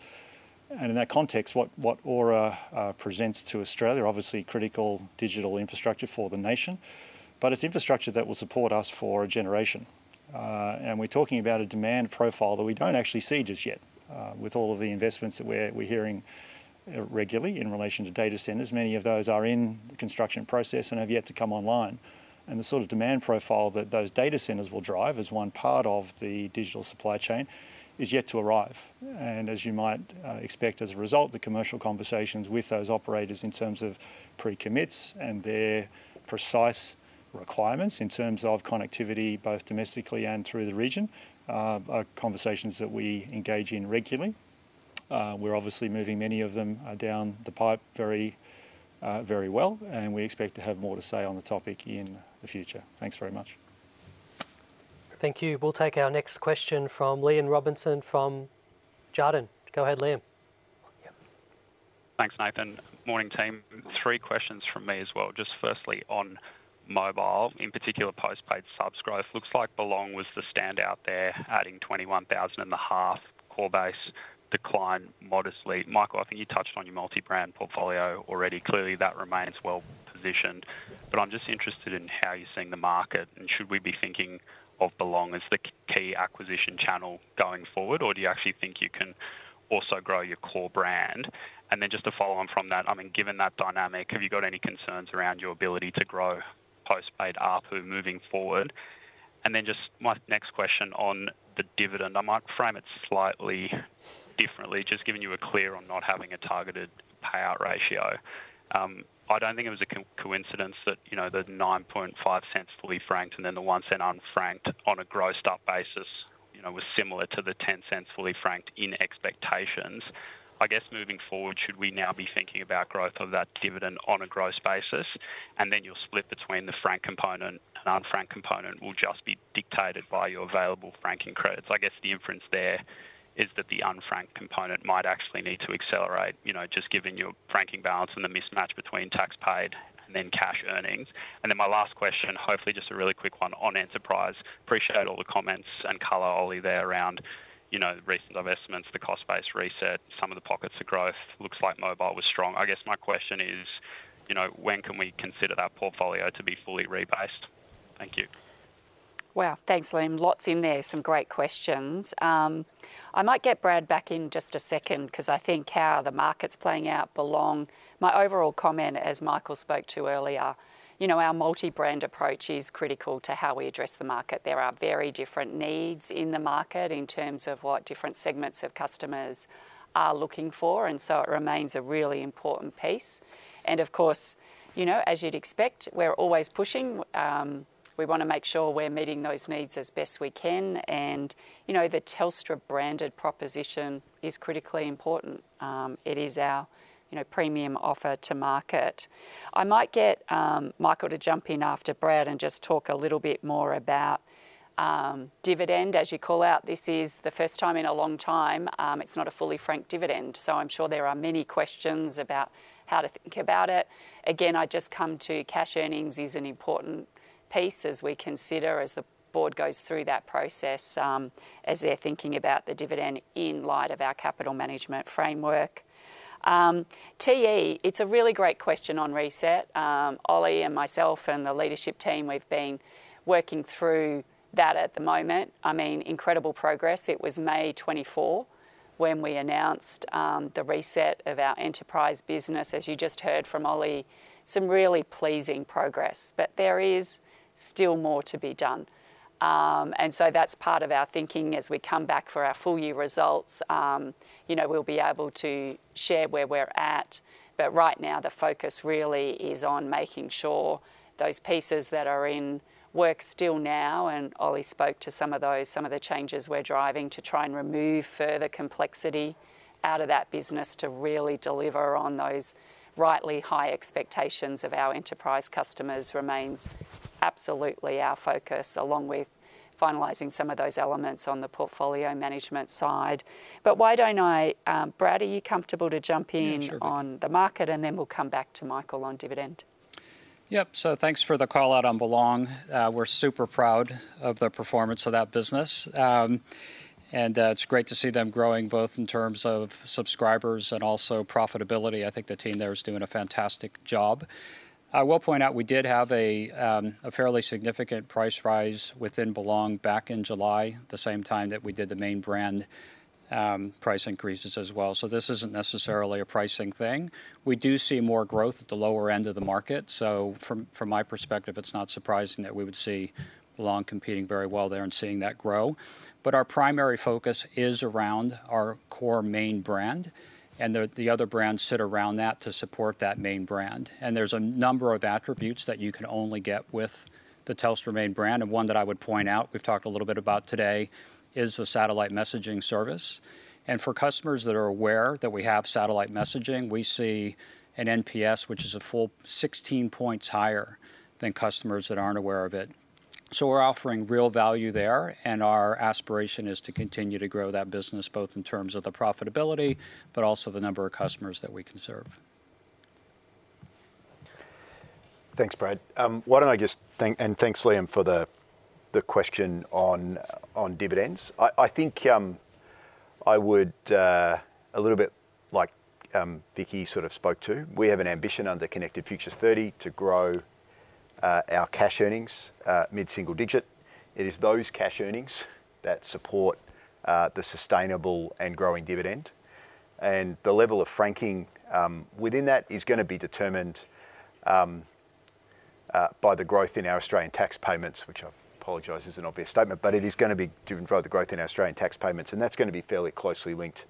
Speaker 5: In that context, what Aura presents to Australia, obviously critical digital infrastructure for the nation, but it's infrastructure that will support us for a generation. And we're talking about a demand profile that we don't actually see just yet. With all of the investments that we're hearing regularly in relation to data centers, many of those are in construction process and have yet to come online. And the sort of demand profile that those data centers will drive as one part of the digital supply chain is yet to arrive. And as you might expect, as a result, the commercial conversations with those operators in terms of pre-commits and their precise requirements in terms of connectivity, both domestically and through the region, are conversations that we engage in regularly. We're obviously moving many of them down the pipe very, very well, and we expect to have more to say on the topic in the future. Thanks very much.
Speaker 3: Thank you. We'll take our next question from Liam Robinson, from Jarden. Go ahead, Liam.
Speaker 12: Thanks, Nathan. Morning, team. Three questions from me as well. Just firstly, on mobile, in particular, postpaid subs growth, looks like Belong was the standout there, adding 21,000 half. Core base declined modestly. Michael, I think you touched on your multi-brand portfolio already. Clearly, that remains well positioned, but I'm just interested in how you're seeing the market, and should we be thinking of Belong as the key acquisition channel going forward, or do you actually think you can also grow your core brand? And then just to follow on from that, I mean, given that dynamic, have you got any concerns around your ability to grow postpaid ARPU moving forward? And then just my next question on the dividend. I might frame it slightly differently, just giving you a clear on not having a targeted payout ratio. I don't think it was a coincidence that, you know, the 0.095 fully franked and then the 0.01 unfranked on a grossed-up basis, you know, was similar to the 0.10 fully franked in expectations. I guess, moving forward, should we now be thinking about growth of that dividend on a gross basis, and then your split between the franked component and unfranked component will just be dictated by your available franking credits? I guess the inference there is that the unfranked component might actually need to accelerate, you know, just given your franking balance and the mismatch between tax paid and then cash earnings. And then my last question, hopefully just a really quick one on Enterprise. Appreciate all the comments and color, Ollie, there around, you know, recent divestments, the cost base reset, some of the pockets of growth. Looks like mobile was strong. I guess my question is, you know, when can we consider that portfolio to be fully rebased? Thank you.
Speaker 1: Wow. Thanks, Liam. Lots in there. Some great questions. I might get Brad back in just a second because I think how the market's playing out Belong. My overall comment, as Michael spoke to earlier, you know, our multi-brand approach is critical to how we address the market. There are very different needs in the market in terms of what different segments of customers are looking for, and it remains a really important piece. Of course, you know, as you'd expect, we're always pushing. We want to make sure we're meeting those needs as best we can. You know, the Telstra branded proposition is critically important. It is our, you know, premium offer to market. I might get Michael to jump in after Brad and just talk a little bit more about dividend. As you call out, this is the first time in a long time, it's not a fully franked dividend, so I'm sure there are many questions about how to think about it. Again, I just come to cash earnings is an important piece as we consider, as the board goes through that process, as they're thinking about the dividend in light of our capital management framework. TE, it's a really great question on reset. Ollie and myself and the leadership team, we've been working through that at the moment. I mean, incredible progress. It was May 2024 when we announced the reset of our enterprise business. As you just heard from Ollie, some really pleasing progress, but there is still more to be done. So that's part of our thinking as we come back for our full year results. You know, we'll be able to share where we're at, but right now, the focus really is on making sure those pieces that are in work still now, and Ollie spoke to some of those, some of the changes we're driving, to try and remove further complexity out of that business to really deliver on those rightly high expectations of our enterprise customers, remains absolutely our focus, along with finalizing some of those elements on the portfolio management side. But why don't I, Brad, are you comfortable to jump in.
Speaker 8: Yeah, sure
Speaker 1: On the market, and then we'll come back to Michael on dividend?
Speaker 8: Yep, thanks for the call out on Belong. We're super proud of the performance of that business, and it's great to see them growing, both in terms of subscribers and also profitability. I think the team there is doing a fantastic job. I will point out we did have a fairly significant price rise within Belong back in July, the same time that we did the main brand price increases as well. This isn't necessarily a pricing thing. We do see more growth at the lower end of the market, so from my perspective, it's not surprising that we would see Belong competing very well there and seeing that grow. Our primary focus is around our core main brand, and the other brands sit around that to support that main brand. There's a number of attributes that you can only get with the Telstra main brand, and one that I would point out, we've talked a little bit about today, is the satellite messaging service. For customers that are aware that we have satellite messaging, we see an NPS, which is a full 16 points higher than customers that aren't aware of it. We're offering real value there, and our aspiration is to continue to grow that business, both in terms of the profitability but also the number of customers that we can serve.
Speaker 2: Thanks, Brad. And thanks, Liam, for the question on dividends. I think a little bit like Vicki sort of spoke to, we have an ambition under Connected Future 30 to grow our cash earnings mid-single digit. It is those cash earnings that support the sustainable and growing dividend. And the level of franking within that is gonna be determined by the growth in our Australian tax payments, which I apologize is an obvious statement. But it is gonna be driven by the growth in Australian tax payments, and that's gonna be fairly closely linked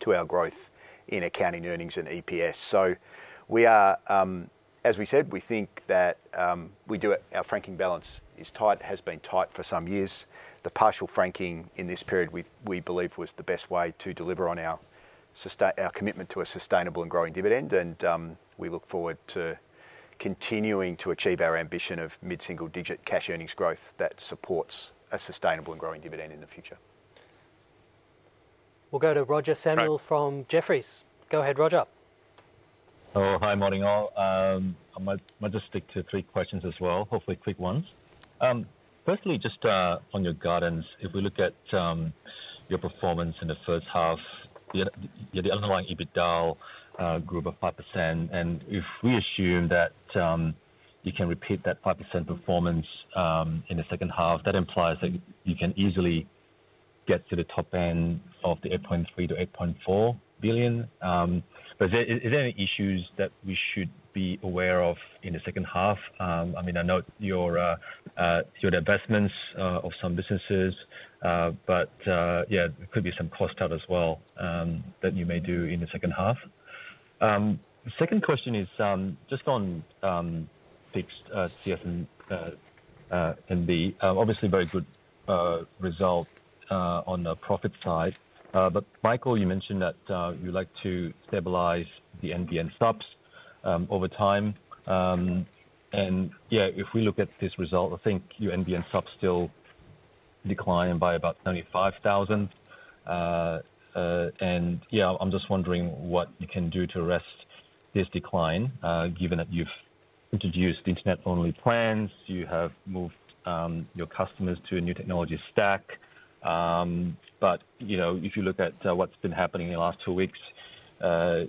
Speaker 2: to our growth in accounting earnings and EPS. So we are. As we said, we think that our franking balance is tight, has been tight for some years. The partial franking in this period, we believe, was the best way to deliver on our commitment to a sustainable and growing dividend. And, we look forward to continuing to achieve our ambition of mid-single-digit cash earnings growth that supports a sustainable and growing dividend in the future.
Speaker 3: We'll go to Roger Samuel.
Speaker 2: Right.
Speaker 3: From Jefferies. Go ahead, Roger.
Speaker 13: Oh, hi, morning, all. I might just stick to three questions as well, hopefully quick ones. Firstly, just on your guidance, if we look at your performance in the first half, the underlying EBITDA grew by 5%. And if we assume that you can repeat that 5% performance in the second half, that implies that you can easily get to the top end of the 8.3 billion-8.4 billion. Are there any issues that we should be aware of in the second half? I mean, I know your divestments of some businesses, but yeah, there could be some cost cut as well that you may do in the second half. Second question is, just on fixed C&SB. Obviously, a very good result on the profit side. But Michael, you mentioned that you'd like to stabilize the NBN subs over time. And yeah, if we look at this result, I think your NBN subs still declined by about 35,000. And yeah, I'm just wondering what you can do to arrest this decline, given that you've introduced internet-only plans, you have moved your customers to a new technology stack. But, you know, if you look at what's been happening in the last two weeks,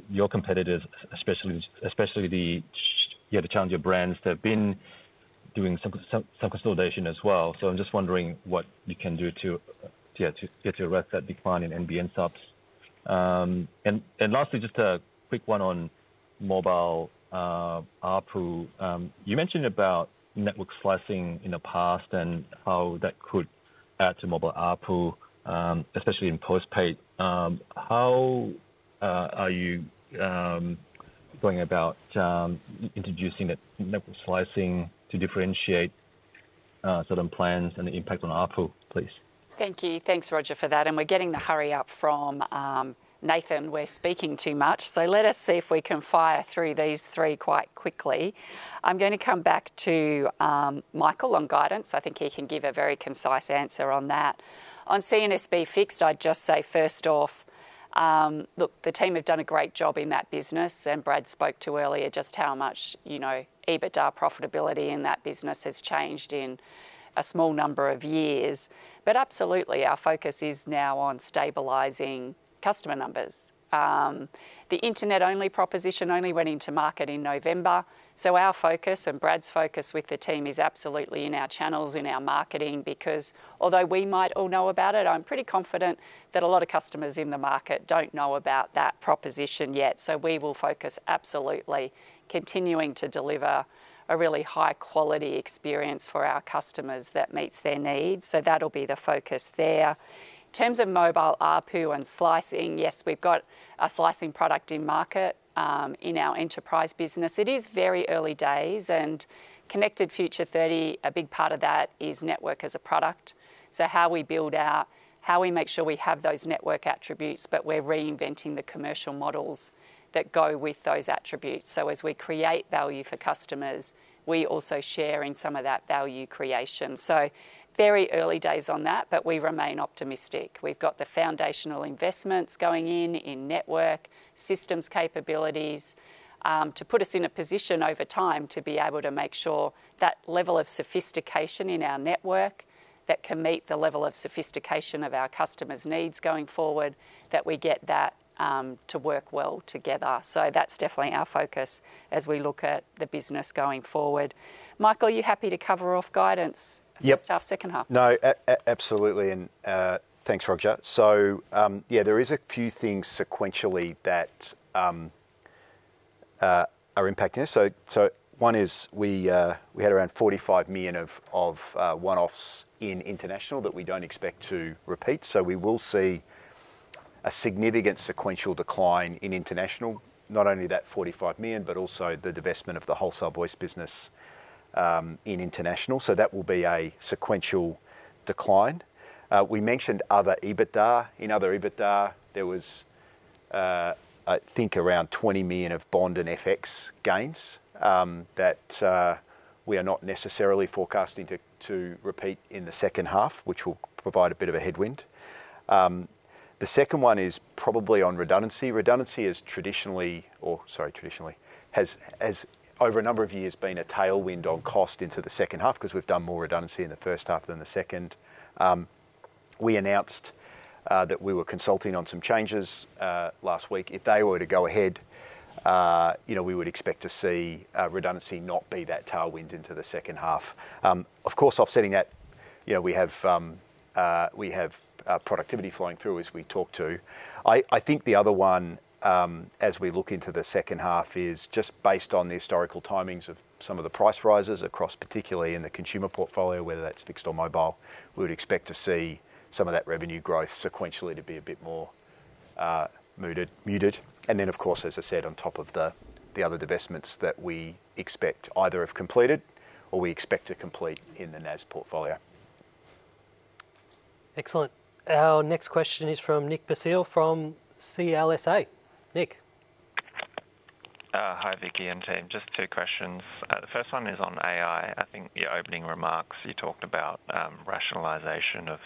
Speaker 13: your competitors, especially, especially the, yeah, the challenger brands, they've been doing some co- some, some consolidation as well. I'm just wondering what you can do to, yeah, to, yeah, to arrest that decline in NBN subs. And lastly, just a quick one on mobile, ARPU. You mentioned about network slicing in the past and how that could add to mobile ARPU, especially in postpaid. How are you going about introducing the network slicing to differentiate certain plans and the impact on ARPU, please?
Speaker 1: Thank you. Thanks, Roger, for that. We're getting the hurry up from Nathan. We're speaking too much. Let us see if we can fire through these three quite quickly. I'm going to come back to Michael on guidance. I think he can give a very concise answer on that. On C&SB Fixed, I'd just say, first off, look, the team have done a great job in that business, and Brad spoke to earlier just how much, you know, EBITDA profitability in that business has changed in a small number of years. Absolutely, our focus is now on stabilizing customer numbers. The internet-only proposition only went into market in November, so our focus, and Brad's focus with the team, is absolutely in our channels, in our marketing, because although we might all know about it, I'm pretty confident that a lot of customers in the market don't know about that proposition yet. So we will focus absolutely continuing to deliver a really high-quality experience for our customers that meets their needs. So that'll be the focus there. In terms of mobile ARPU and slicing, yes, we've got a slicing product in market, in our enterprise business. It is very early days, and Connected Future 30, a big part of that is network as a product. So how we build our. How we make sure we have those network attributes, but we're reinventing the commercial models that go with those attributes. So as we create value for customers, we also share in some of that value creation. So very early days on that, but we remain optimistic. We've got the foundational investments going in, in network systems capabilities, to put us in a position over time to be able to make sure that level of sophistication in our network that can meet the level of sophistication of our customers' needs going forward, that we get that, to work well together. So that's definitely our focus as we look at the business going forward. Michael, are you happy to cover off guidance?
Speaker 2: Yep.
Speaker 1: For the second half?
Speaker 2: No, absolutely, and thanks, Roger. So, yeah, there is a few things sequentially that are impacting us. So, one is we, we had around 45 million of one-offs in international that we don't expect to repeat. So we will see a significant sequential decline in international, not only that 45 million, but also the divestment of the wholesale voice business in international. So that will be a sequential decline. We mentioned other EBITDA. In other EBITDA, there was, I think, around 20 million of bond and FX gains that we are not necessarily forecasting to repeat in the second half, which will provide a bit of a headwind. The second one is probably on redundancy. Redundancy is traditionally a tailwind on cost into the second half, 'cause we've done more redundancy in the first half than the second. We announced that we were consulting on some changes last week. If they were to go ahead, you know, we would expect to see redundancy not be that tailwind into the second half. Of course, offsetting that, you know, we have productivity flowing through as we talk to. I think the other one, as we look into the second half, is just based on the historical timings of some of the price rises across, particularly in the consumer portfolio, whether that's fixed or mobile, we would expect to see some of that revenue growth sequentially to be a bit more muted. And then, of course, as I said, on top of the other divestments that we expect either have completed or we expect to complete in the NAS portfolio.
Speaker 3: Excellent. Our next question is from Nick Purcell from CLSA. Nick?
Speaker 14: Hi, Vicki and team. Just two questions. The first one is on AI. I think the opening remarks, you talked about rationalization of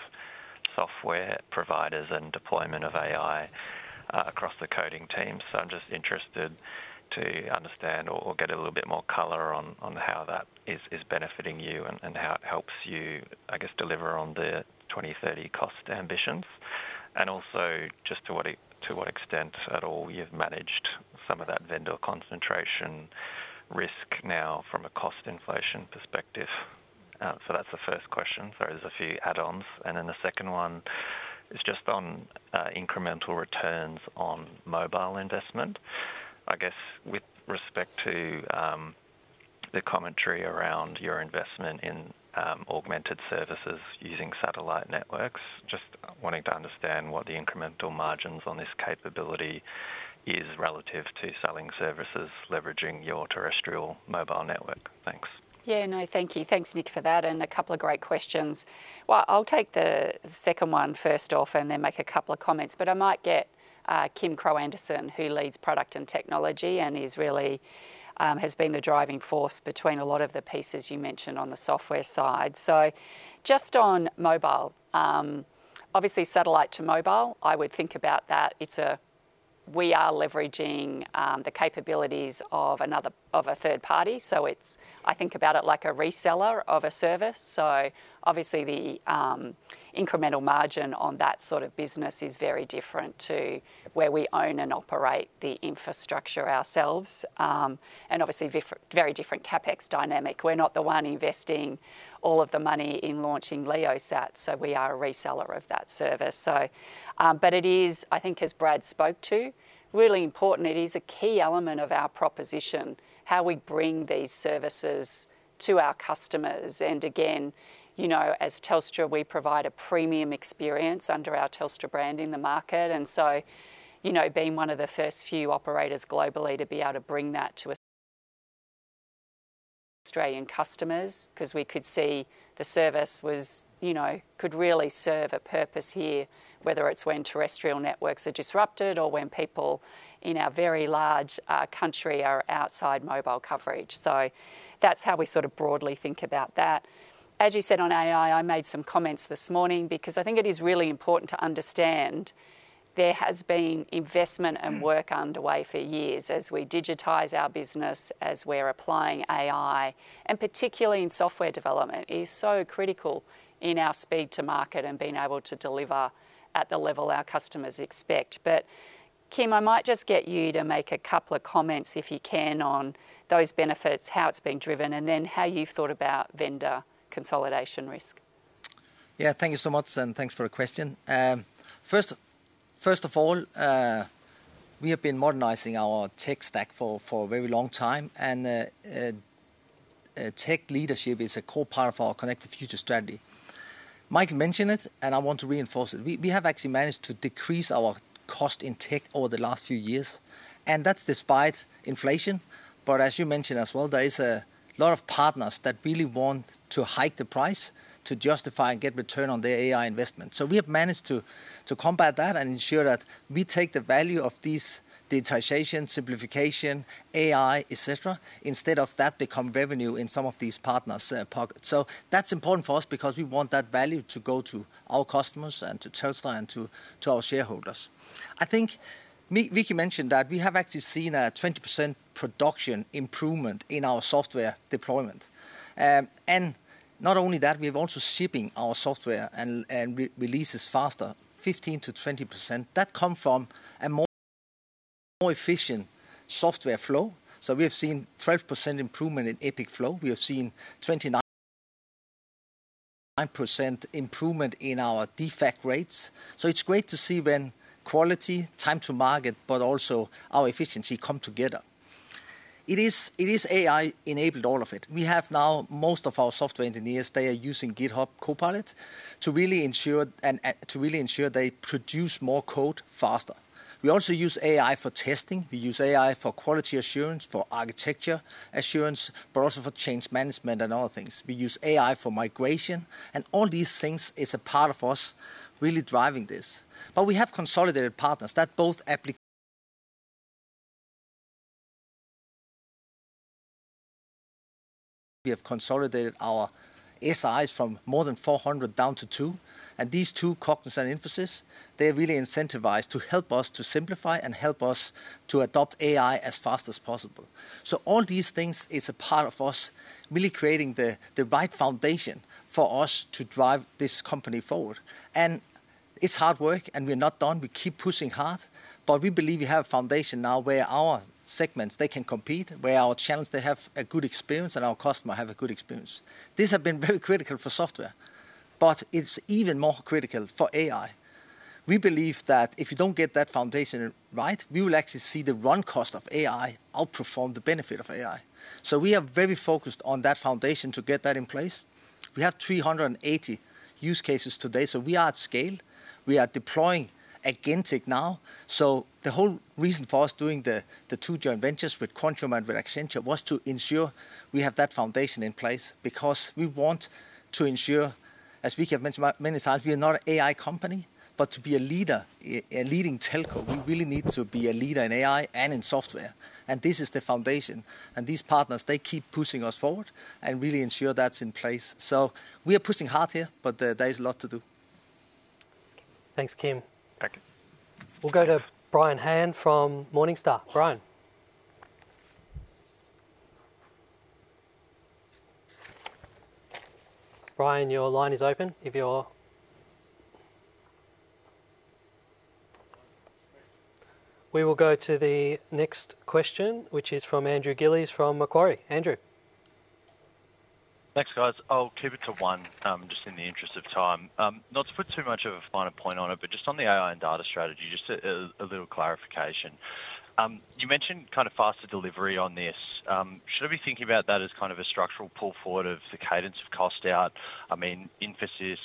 Speaker 14: software providers and deployment of AI across the coding team. I am just interested to understand or get a little bit more color on how that is benefiting you and how it helps you, I guess, deliver on the 20/30 cost ambitions. Also, to what extent at all you've managed some of that vendor concentration risk now from a cost inflation perspective. That is the first question. There are a few add-ons. The second one is just on incremental returns on mobile investment. I guess, with respect to, the commentary around your investment in, augmented services using satellite networks, just wanting to understand what the incremental margins on this capability is relative to selling services, leveraging your terrestrial mobile network. Thanks.
Speaker 1: Yeah, no, thank you. Thanks, Nick, for that, and a couple of great questions. Well, I'll take the second one first off, and then make a couple of comments. But I might get Kim Krogh Andersen, who leads Product and Technology and is really has been the driving force between a lot of the pieces you mentioned on the software side. So just on mobile, obviously, satellite to mobile, I would think about that. It's a. We are leveraging the capabilities of another, of a third party, so it's, I think about it like a reseller of a service. So obviously, the incremental margin on that sort of business is very different to where we own and operate the infrastructure ourselves. And obviously, very different CapEx dynamic. We're not the one investing all of the money in launching LEO, so we are a reseller of that service. I think, as Brad spoke to, really important. It is a key element of our proposition, how we bring these services to our customers. Again, you know, as Telstra, we provide a premium experience under our Telstra brand in the market. You know, being one of the first few operators globally to be able to bring that to Australian customers, 'cause we could see the service was, you know, could really serve a purpose here, whether it's when terrestrial networks are disrupted or when people in our very large country are outside mobile coverage. That's how we sort of broadly think about that. As you said on AI, I made some comments this morning because I think it is really important to understand there has been investment and work underway for years as we digitize our business, as we're applying AI, and particularly in software development, is so critical in our speed to market and being able to deliver at the level our customers expect. But, Kim, I might just get you to make a couple of comments, if you can, on those benefits, how it's being driven, and then how you've thought about vendor consolidation risk.
Speaker 15: Yeah, thank you so much, and thanks for the question. First of all, we have been modernizing our tech stack for a very long time, and tech leadership is a core part of our Connected Future strategy. Mike mentioned it, and I want to reinforce it. We have actually managed to decrease our cost in tech over the last few years, and that's despite inflation. But as you mentioned as well, there is a lot of partners that really want to hike the price to justify and get return on their AI investment. So we have managed to combat that and ensure that we take the value of these digitalization, simplification, AI, et cetera, instead of that become revenue in some of these partners' pockets. So that's important for us because we want that value to go to our customers and to Telstra and to our shareholders. I think Vicki mentioned that we have actually seen a 20% production improvement in our software deployment. And not only that, we're also shipping our software and releases faster, 15%-20%. That come from a more efficient software flow. So we have seen 12% improvement in Epic Flow. We have seen 29% improvement in our defect rates. So it's great to see when quality, time to market, but also our efficiency come together. It is AI-enabled, all of it. We have now most of our software engineers, they are using GitHub Copilot to really ensure they produce more code faster. We also use AI for testing. We use AI for quality assurance, for architecture assurance, but also for change management and other things. We use AI for migration, and all these things is a part of us really driving this. But we have consolidated our SIs from more than 400 down to two, and these two, Cognizant and Infosys, they're really incentivized to help us to simplify and help us to adopt AI as fast as possible. So all these things is a part of us really creating the right foundation for us to drive this company forward. And it's hard work, and we're not done. We keep pushing hard, but we believe we have a foundation now where our segments they can compete, where our channels they have a good experience, and our customer have a good experience. These have been very critical for software, but it's even more critical for AI. We believe that if you don't get that foundation right, we will actually see the run cost of AI outperform the benefit of AI. So we are very focused on that foundation to get that in place. We have 380 use cases today, so we are at scale. We are deploying at GenTech now. So the whole reason for us doing the, the two joint ventures with Quantium and with Accenture was to ensure we have that foundation in place, because we want to ensure, as we have mentioned many times, we are not an AI company, but to be a leader, a, a leading telco, we really need to be a leader in AI and in software, and this is the foundation. These partners, they keep pushing us forward and really ensure that's in place. We are pushing hard here, but there is a lot to do.
Speaker 1: Thanks, Kim.
Speaker 15: Thank you.
Speaker 3: We'll go to Brian Han from Morningstar. Brian? Brian, your line is open if you're. We will go to the next question, which is from Andrew Gillies, from Macquarie. Andrew?
Speaker 16: Thanks, guys. I'll keep it to one, just in the interest of time. Not to put too much of a finer point on it, but just on the AI and data strategy, just a little clarification. You mentioned kind of faster delivery on this. Should I be thinking about that as kind of a structural pull forward of the cadence of cost out? I mean, Infosys,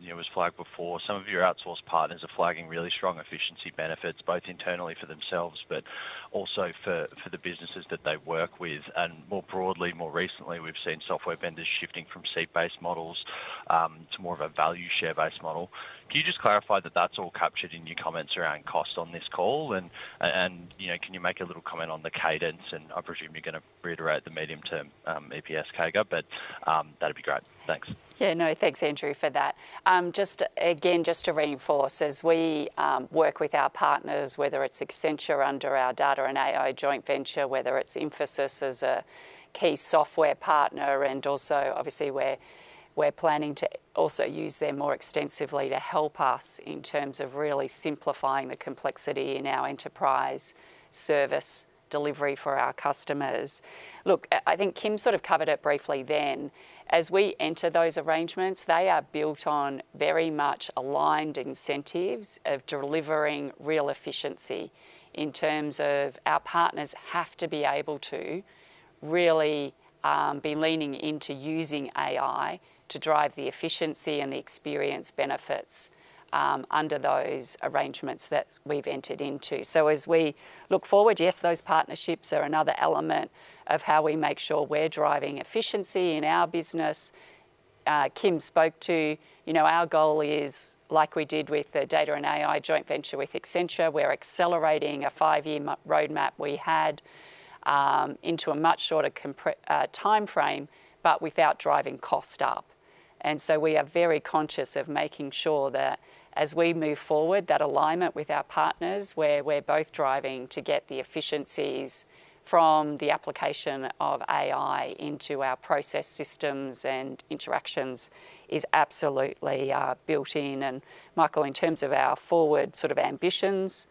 Speaker 16: you know, was flagged before. Some of your outsource partners are flagging really strong efficiency benefits, both internally for themselves, but also for the businesses that they work with. And more broadly, more recently, we've seen software vendors shifting from seat-based models to more of a value share-based model. Can you just clarify that that's all captured in your comments around cost on this call? You know, can you make a little comment on the cadence, and I presume you're going to reiterate the medium-term EPS CAGR, but that'd be great. Thanks.
Speaker 1: Yeah, no, thanks, Andrew, for that. Just again, just to reinforce, as we work with our partners, whether it's Accenture under our data and AI joint venture, whether it's Infosys as a key software partner, and also obviously we're, we're planning to also use them more extensively to help us in terms of really simplifying the complexity in our enterprise service delivery for our customers. Look, I think Kim sort of covered it briefly then. As we enter those arrangements, they are built on very much aligned incentives of delivering real efficiency in terms of our partners have to be able to really be leaning into using AI to drive the efficiency and the experience benefits under those arrangements that we've entered into. So as we look forward, yes, those partnerships are another element of how we make sure we're driving efficiency in our business. Kim spoke to, you know, our goal is, like we did with the data and AI joint venture with Accenture, we're accelerating a five-year roadmap we had into a much shorter timeframe, but without driving cost up. And so we are very conscious of making sure that as we move forward, that alignment with our partners, where we're both driving to get the efficiencies from the application of AI into our process systems and interactions, is absolutely built in. And Michael, in terms of our forward sort of ambitions,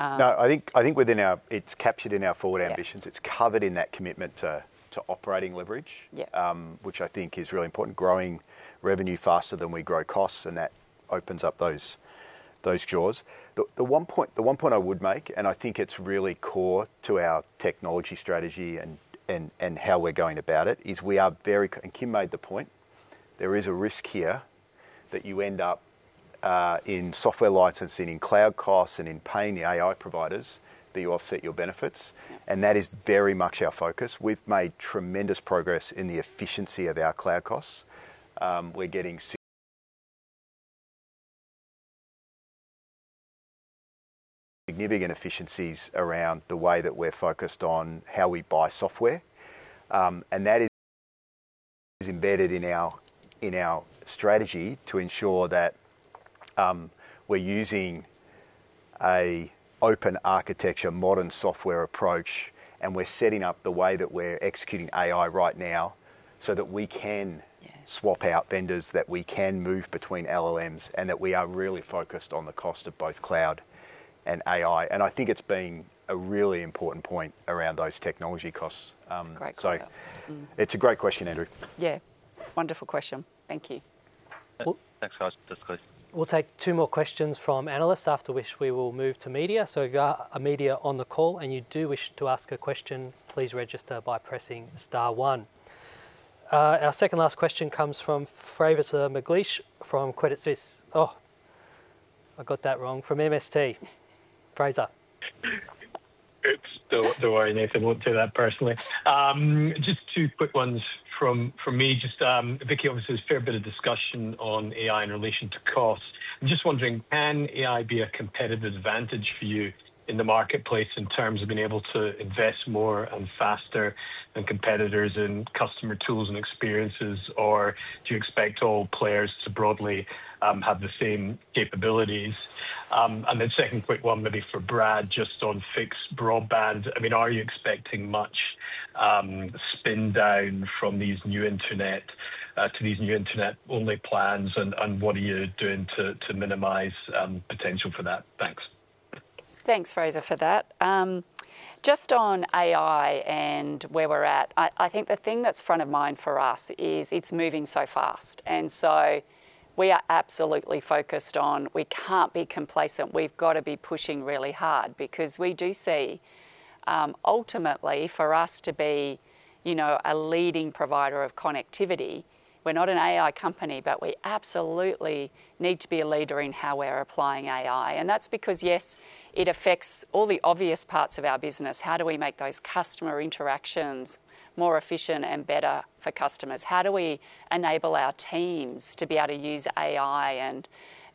Speaker 2: No, I think, I think within our, it's captured in our forward ambitions.
Speaker 1: Yeah.
Speaker 2: It's covered in that commitment to operating leverage.
Speaker 1: Yeah.
Speaker 2: Which I think is really important, growing revenue faster than we grow costs, and that opens up those, those jaws. The one point I would make, and I think it's really core to our technology strategy and how we're going about it, is we are very. And Kim made the point, there is a risk here that you end up in software licensing, in cloud costs, and in paying the AI providers, that you offset your benefits.
Speaker 1: Yeah.
Speaker 2: That is very much our focus. We've made tremendous progress in the efficiency of our cloud costs. We're getting significant efficiencies around the way that we're focused on how we buy software. That is embedded in our, in our strategy to ensure that, we're using a open architecture, modern software approach, and we're setting up the way that we're executing AI right now, so that we can-
Speaker 1: Yeah.
Speaker 2: Swap out vendors, that we can move between LLMs, and that we are really focused on the cost of both cloud and AI. And I think it's been a really important point around those technology costs.
Speaker 1: Great point.
Speaker 2: It's a great question, Andrew.
Speaker 1: Yeah. Wonderful question. Thank you.
Speaker 16: Thanks, guys. That's clear.
Speaker 3: We'll take two more questions from analysts, after which we will move to media. So if you've got a media on the call, and you do wish to ask a question, please register by pressing star one. Our second last question comes from Fraser McLeish from Credit Suisse. Oh, I got that wrong. From MST. Fraser.
Speaker 17: Oops. Don't, don't worry, Nathan, won't do that personally. Just two quick ones from, from me. Just, Vicki, obviously, there's a fair bit of discussion on AI in relation to cost. I'm just wondering, can AI be a competitive advantage for you in the marketplace in terms of being able to invest more and faster than competitors in customer tools and experiences? Or do you expect all players to broadly have the same capabilities? And then second quick one, maybe for Brad, just on fixed broadband. I mean, are you expecting much spin down from these new internet to these new internet-only plans? And what are you doing to minimize potential for that? Thanks.
Speaker 1: Thanks, Fraser, for that. Just on AI and where we're at, I, I think the thing that's front of mind for us is it's moving so fast, and so we are absolutely focused on we can't be complacent. We've got to be pushing really hard because we do see, ultimately, for us to be, you know, a leading provider of connectivity, we're not an AI company, but we absolutely need to be a leader in how we're applying AI. And that's because, yes, it affects all the obvious parts of our business. How do we make those customer interactions more efficient and better for customers? How do we enable our teams to be able to use AI and,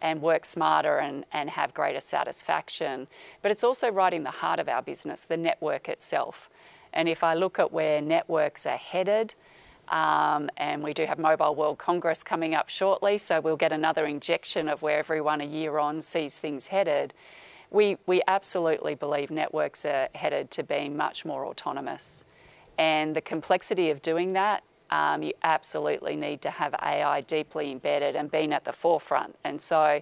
Speaker 1: and work smarter and, and have greater satisfaction? But it's also right in the heart of our business, the network itself. If I look at where networks are headed, and we do have Mobile World Congress coming up shortly, so we'll get another injection of where everyone, a year on, sees things headed. We, we absolutely believe networks are headed to being much more autonomous. And the complexity of doing that, you absolutely need to have AI deeply embedded and being at the forefront. And so,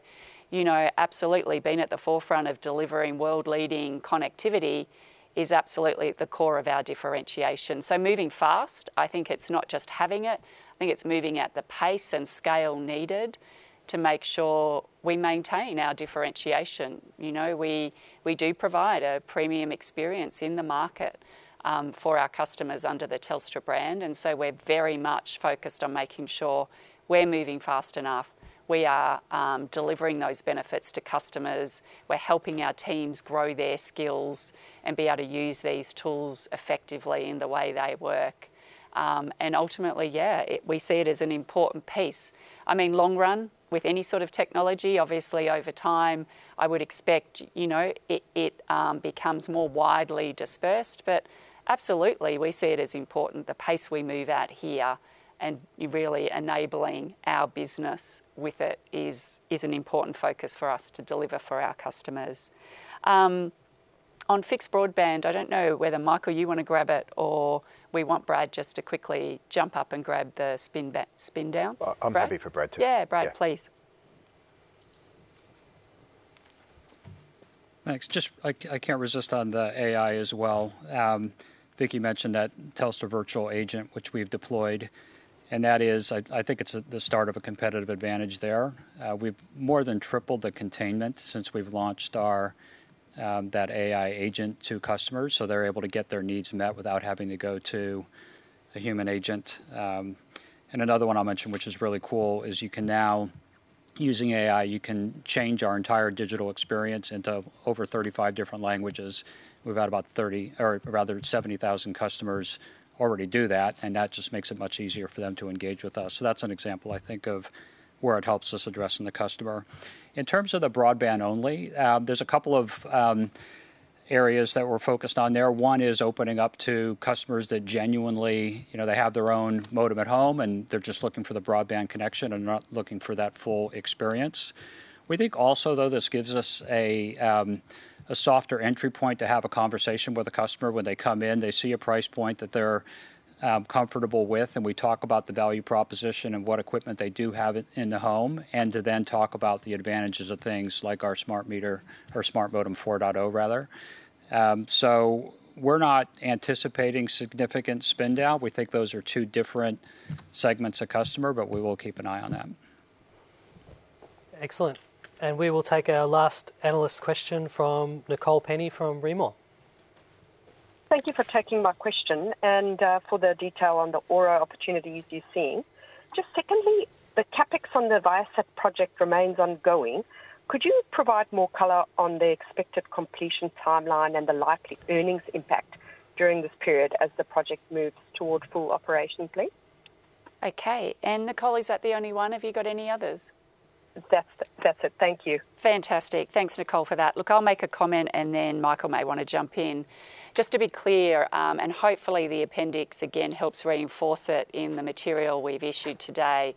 Speaker 1: you know, absolutely being at the forefront of delivering world-leading connectivity is absolutely at the core of our differentiation. So moving fast, I think it's not just having it, I think it's moving at the pace and scale needed to make sure we maintain our differentiation. You know, we, we do provide a premium experience in the market, for our customers under the Telstra brand, and so we're very much focused on making sure we're moving fast enough. We are delivering those benefits to customers. We're helping our teams grow their skills and be able to use these tools effectively in the way they work. And ultimately, yeah, it, we see it as an important piece. I mean, long run, with any sort of technology, obviously, over time, I would expect, you know, it becomes more widely dispersed. But absolutely, we see it as important, the pace we move at here, and really enabling our business with it is an important focus for us to deliver for our customers. On fixed broadband, I don't know whether, Michael, you want to grab it or we want Brad just to quickly jump up and grab the spin down.
Speaker 2: I'm happy for Brad to.
Speaker 1: Yeah, Brad, please.
Speaker 8: Yeah. Thanks. Just I can't resist on the AI as well. Vicki mentioned that Telstra Virtual Agent, which we've deployed, and that is, I, I think it's at the start of a competitive advantage there. We've more than tripled the containment since we've launched our, that AI agent to customers, so they're able to get their needs met without having to go to a human agent. And another one I'll mention, which is really cool, is you can now, using AI, you can change our entire digital experience into over 35 different languages. We've had about 30, or rather 70,000 customers already do that, and that just makes it much easier for them to engage with us. So that's an example, I think, of where it helps us addressing the customer. In terms of the broadband only, there's a couple of areas that we're focused on there. One is opening up to customers that genuinely, you know, they have their own modem at home, and they're just looking for the broadband connection and not looking for that full experience. We think also, though, this gives us a softer entry point to have a conversation with a customer. When they come in, they see a price point that they're comfortable with, and we talk about the value proposition and what equipment they do have in the home, and to then talk about the advantages of things like our smart meter or Smart Modem 4.0, rather. So we're not anticipating significant spin down. We think those are two different segments of customer, but we will keep an eye on them.
Speaker 3: Excellent. And we will take our last analyst question from Nicole Penny from Rimor.
Speaker 18: Thank you for taking my question and, for the detail on the Aura opportunities you're seeing. Just secondly, the CapEx on the Viasat project remains ongoing. Could you provide more color on the expected completion timeline and the likely earnings impact during this period as the project moves toward full operation, please?
Speaker 1: Okay, and Nicole, is that the only one? Have you got any others?
Speaker 18: That's, that's it. Thank you.
Speaker 1: Fantastic. Thanks, Nicole, for that. Look, I'll make a comment, and then Michael may want to jump in. Just to be clear, and hopefully, the appendix again helps reinforce it in the material we've issued today.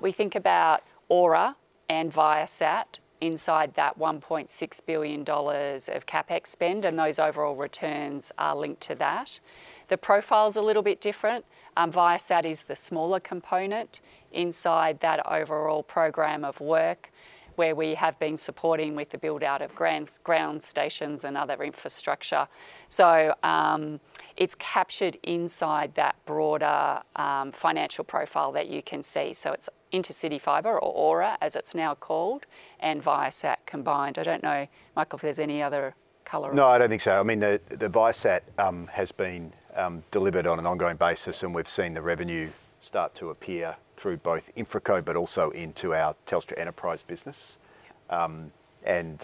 Speaker 1: We think about Aura and Viasat inside that 1.6 billion dollars of CapEx spend, and those overall returns are linked to that. The profile's a little bit different. Viasat is the smaller component inside that overall program of work, where we have been supporting with the build-out of ground stations and other infrastructure. So, it's captured inside that broader, financial profile that you can see. So it's Intercity Fibre or Aura, as it's now called, and Viasat combined. I don't know, Michael, if there's any other-
Speaker 2: No, I don't think so. I mean, the Viasat has been delivered on an ongoing basis, and we've seen the revenue start to appear through both InfraCo but also into our Telstra Enterprise business. And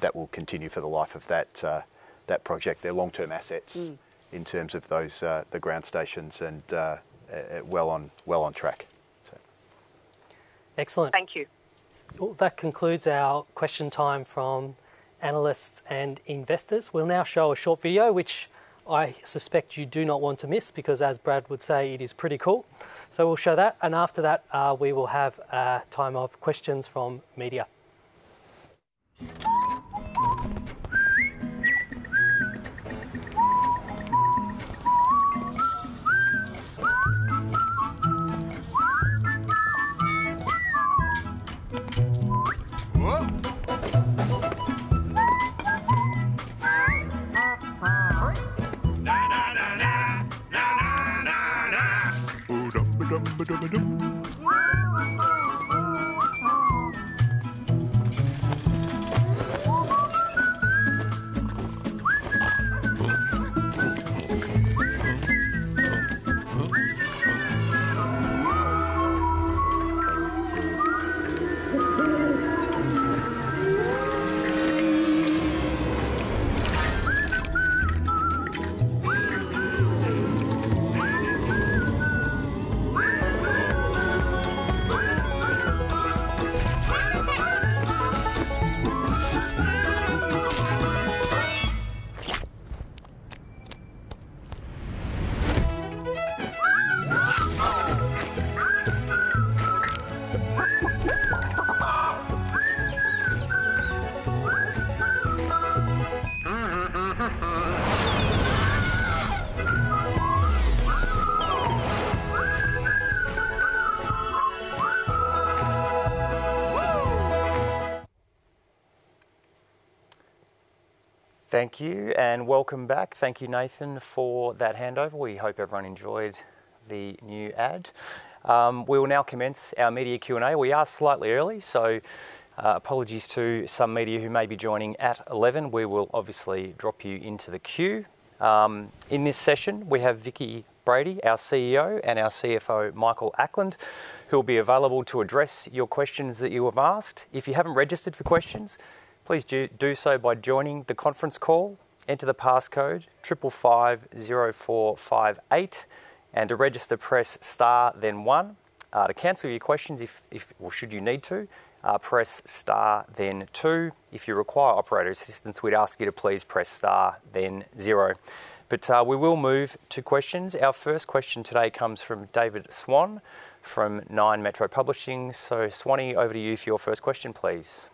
Speaker 2: that will continue for the life of that project. They're long-term assets in terms of those, the ground stations, and well on track, so.
Speaker 3: Excellent.
Speaker 1: Thank you.
Speaker 3: Well, that concludes our question time from analysts and investors. We'll now show a short video, which I suspect you do not want to miss, because as Brad would say, it is pretty cool. So we'll show that, and after that, we will have a time of questions from media.
Speaker 19: Thank you, and welcome back. Thank you, Nathan, for that handover. We hope everyone enjoyed the new ad. We will now commence our media Q&A. We are slightly early, so apologies to some media who may be joining at 11. We will obviously drop you into the queue. In this session, we have Vicki Brady, our CEO, and our CFO, Michael Ackland, who will be available to address your questions that you have asked. If you haven't registered for questions, please do so by joining the conference call. Enter the passcode, 555-0-4-5-8. And to register, press star, then one. To cancel your questions, or should you need to, press star, then one. If you require operator assistance, we'd ask you to please press star then 0. But we will move to questions. Our first question today comes from David Swan from Nine Metro Publishing. So Swanny, over to you for your first question, please.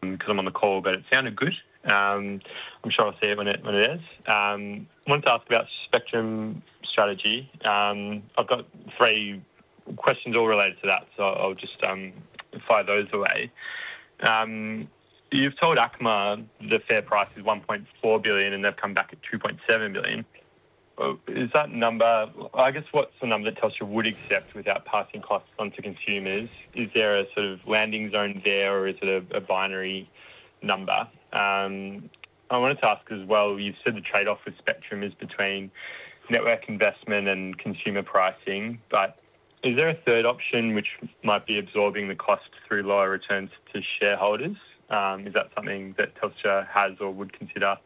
Speaker 20: Because I'm on the call, but it sounded good. I'm sure I'll see it when it, when it is. Wanted to ask about spectrum strategy. I've got three questions all related to that, so I'll just fire those away. You've told ACMA the fair price is 1.4 billion, and they've come back at 2.7 billion. Is that number, I guess, what's the number that Telstra would accept without passing costs on to consumers? Is there a sort of landing zone there, or is it a, a binary number? I wanted to ask as well, you've said the trade-off with spectrum is between network investment and consumer pricing, but is there a third option which might be absorbing the cost through lower returns to shareholders? Is that something that Telstra has or would consider?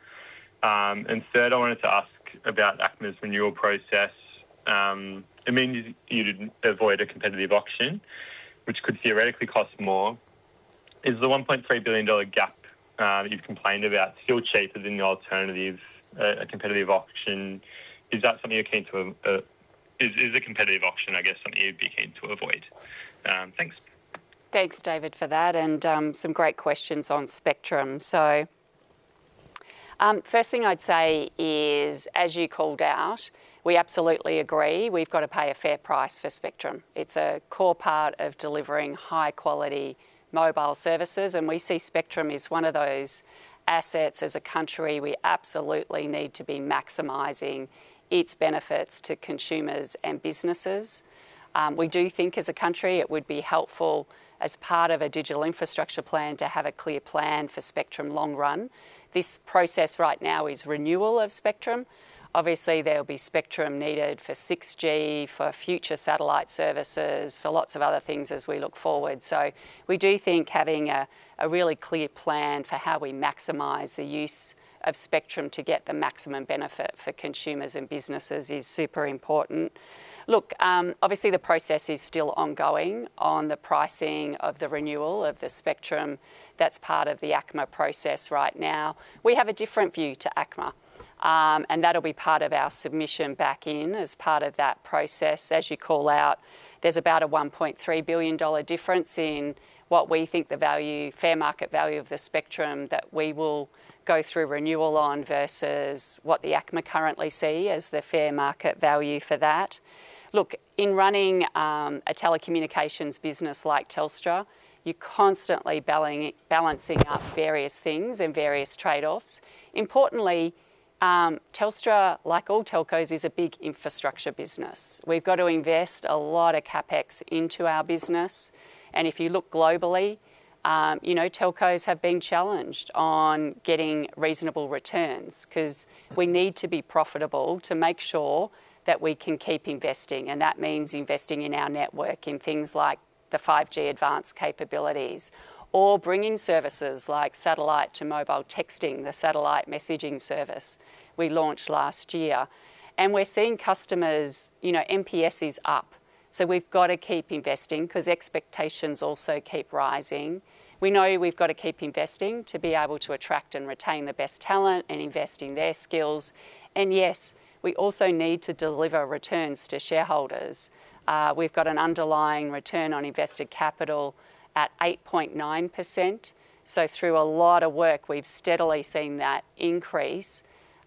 Speaker 20: I wanted to ask about ACMA's renewal process. It means you'd avoid a competitive auction, which could theoretically cost more. Is the 1.3 billion dollar gap that you've complained about still cheaper than the alternative, a competitive auction? Is that something you're keen to... Is a competitive auction, I guess, something you'd be keen to avoid? Thanks.
Speaker 1: Thanks, David, for that, and some great questions on spectrum. So, first thing I'd say is, as you called out, we absolutely agree, we've got to pay a fair price for spectrum. It's a core part of delivering high-quality mobile services, and we see spectrum as one of those assets as a country we absolutely need to be maximizing its benefits to consumers and businesses. We do think as a country, it would be helpful as part of a digital infrastructure plan to have a clear plan for spectrum long run. This process right now is renewal of spectrum. Obviously, there will be spectrum needed for 6G, for future satellite services, for lots of other things as we look forward. So we do think having a really clear plan for how we maximize the use of spectrum to get the maximum benefit for consumers and businesses is super important. Look, obviously, the process is still ongoing on the pricing of the renewal of the spectrum. That's part of the ACMA process right now. We have a different view to ACMA, and that'll be part of our submission back in as part of that process. As you call out, there's about an 1.3 billion dollar difference in what we think the value, fair market value of the spectrum that we will go through renewal on versus what the ACMA currently see as the fair market value for that. Look, in running a telecommunications business like Telstra, you're constantly balancing up various things and various trade-offs. Importantly, Telstra, like all telcos, is a big infrastructure business. We've got to invest a lot of CapEx into our business, and if you look globally, you know, telcos have been challenged on getting reasonable returns. 'Cause we need to be profitable to make sure that we can keep investing, and that means investing in our network, in things like the 5G Advanced capabilities, or bringing services like satellite to mobile texting, the satellite messaging service we launched last year. And we're seeing customers, you know, NPS is up, so we've got to keep investing because expectations also keep rising. We know we've got to keep investing to be able to attract and retain the best talent and invest in their skills. And yes, we also need to deliver returns to shareholders. We've got an underlying return on invested capital at 8.9%. So through a lot of work, we've steadily seen that increase.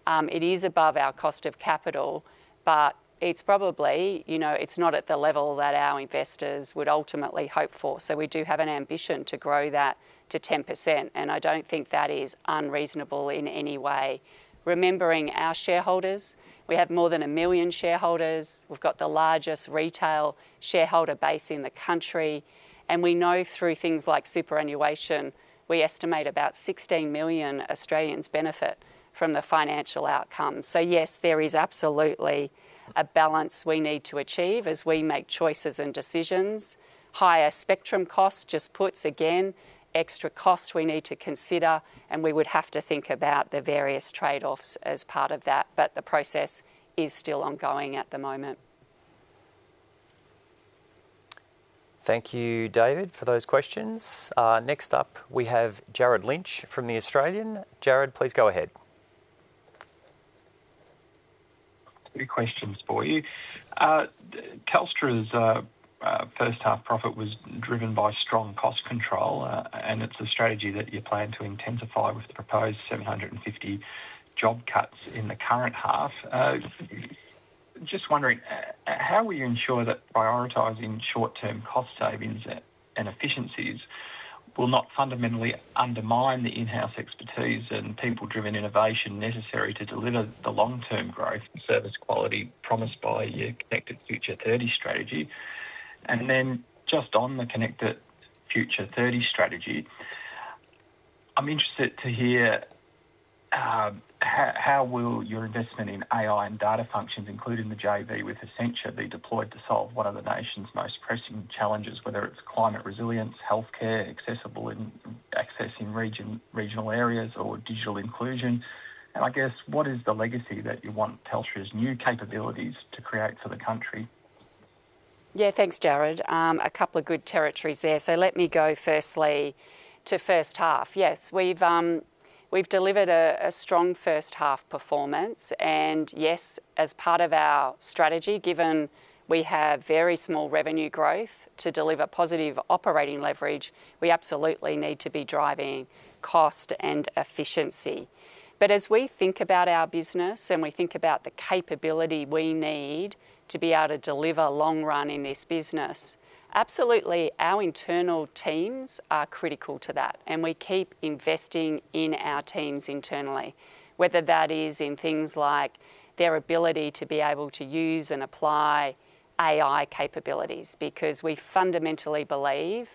Speaker 1: It is above our cost of capital, but it's probably, you know, it's not at the level that our investors would ultimately hope for. So we do have an ambition to grow that to 10%, and I don't think that is unreasonable in any way. Remembering our shareholders, we have more than 1 million shareholders. We've got the largest retail shareholder base in the country, and we know through things like superannuation, we estimate about 16 million Australians benefit from the financial outcome. So yes, there is absolutely a balance we need to achieve as we make choices and decisions. Higher spectrum costs just puts, again, extra costs we need to consider, and we would have to think about the various trade-offs as part of that, but the process is still ongoing at the moment.
Speaker 19: Thank you, David, for those questions. Next up, we have Jared Lynch from The Australian. Jared, please go ahead.
Speaker 21: Two questions for you. Telstra's first half profit was driven by strong cost control, and it's a strategy that you plan to intensify with the proposed 750 job cuts in the current half. Just wondering, how will you ensure that prioritizing short-term cost savings and efficiencies will not fundamentally undermine the in-house expertise and people-driven innovation necessary to deliver the long-term growth and service quality promised by your Connected Future 30 strategy? And then just on the Connected Future 30 strategy, I'm interested to hear, how will your investment in AI and data functions, including the JV with Accenture, be deployed to solve one of the nation's most pressing challenges, whether it's climate resilience, healthcare, accessible access in regional areas, or digital inclusion? I guess, what is the legacy that you want Telstra's new capabilities to create for the country?
Speaker 1: Yeah, thanks, Jared. A couple of good territories there. So let me go firstly to first half. Yes, we've, we've delivered a strong first half performance, and yes, as part of our strategy, given we have very small revenue growth to deliver positive operating leverage, we absolutely need to be driving cost and efficiency. But as we think about our business and we think about the capability we need to be able to deliver long run in this business, absolutely, our internal teams are critical to that, and we keep investing in our teams internally. Whether that is in things like their ability to be able to use and apply AI capabilities, because we fundamentally believe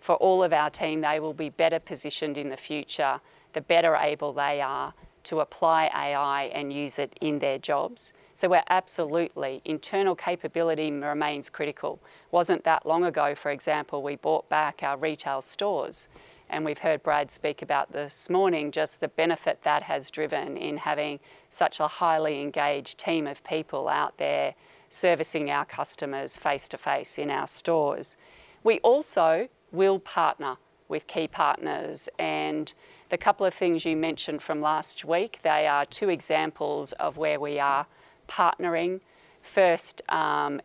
Speaker 1: for all of our team, they will be better positioned in the future, the better able they are to apply AI and use it in their jobs. So we're absolutely... Internal capability remains critical. Wasn't that long ago, for example, we bought back our retail stores, and we've heard Brad speak about this morning, just the benefit that has driven in having such a highly engaged team of people out there servicing our customers face to face in our stores. We also will partner with key partners, and the couple of things you mentioned from last week, they are two examples of where we are partnering. First,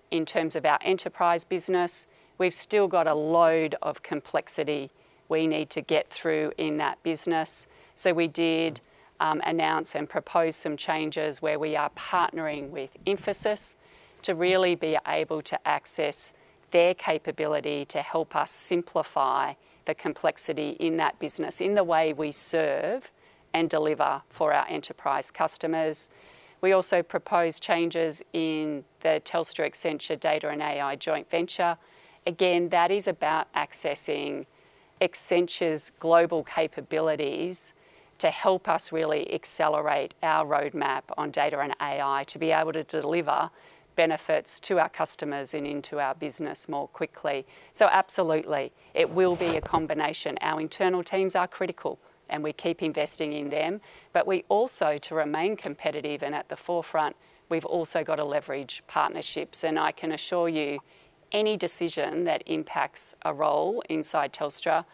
Speaker 1: in terms of our enterprise business, we've still got a load of complexity we need to get through in that business. So we did, announce and propose some changes where we are partnering with Infosys to really be able to access their capability to help us simplify the complexity in that business, in the way we serve and deliver for our enterprise customers. We also propose changes in the Telstra Accenture Data and AI joint venture. Again, that is about accessing Accenture's global capabilities to help us really accelerate our roadmap on data and AI, to be able to deliver benefits to our customers and into our business more quickly. So absolutely, it will be a combination. Our internal teams are critical, and we keep investing in them, but we also, to remain competitive and at the forefront, we've also got to leverage partnerships. And I can assure you, any decision that impacts a role inside Telstra,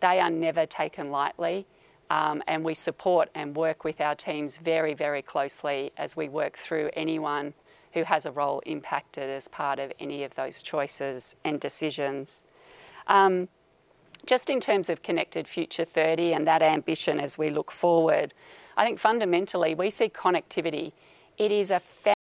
Speaker 1: they are never taken lightly, and we support and work with our teams very, very closely as we work through anyone who has a role impacted as part of any of those choices and decisions. Just in terms of Connected Future 30 and that ambition as we look forward, I think fundamentally, we see connectivity. It is a foundation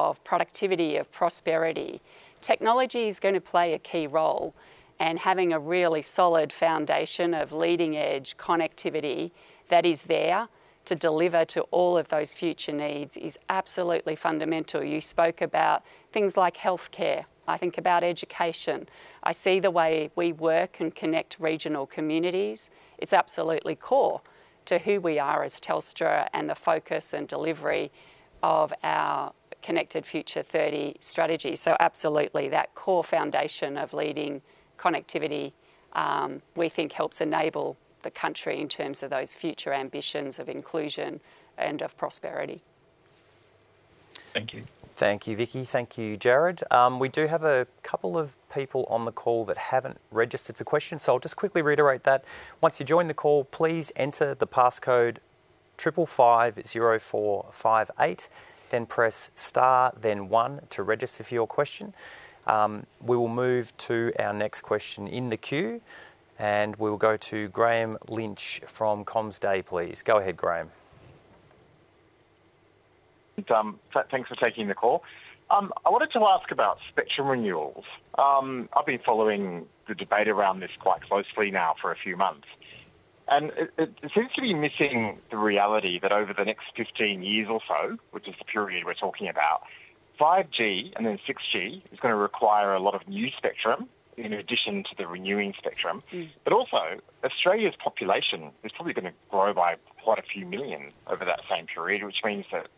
Speaker 1: of productivity, of prosperity. Technology is going to play a key role, and having a really solid foundation of leading-edge connectivity that is there to deliver to all of those future needs is absolutely fundamental. You spoke about things like healthcare. I think about education. I see the way we work and connect regional communities. It's absolutely core to who we are as Telstra and the focus and delivery of our Connected Future 30 strategy. So absolutely, that core foundation of leading connectivity, we think helps enable the country in terms of those future ambitions of inclusion and of prosperity.
Speaker 19: Thank you, Vicki. Thank you, Jared. We do have a couple of people on the call that haven't registered for questions, so I'll just quickly reiterate that. Once you join the call, please enter the passcode 5550458, then press star, then one to register for your question. We will move to our next question in the queue, and we'll go to Grahame Lynch from CommsDay, please. Go ahead, Grahame.
Speaker 22: Thanks for taking the call. I wanted to ask about spectrum renewals. I've been following the debate around this quite closely now for a few months, and it seems to be missing the reality that over the next 15 years or so, which is the period we're talking about, 5G and then 6G is going to require a lot of new spectrum in addition to the renewing spectrum. But also, Australia's population is probably going to grow by quite a few million over that same period, which means that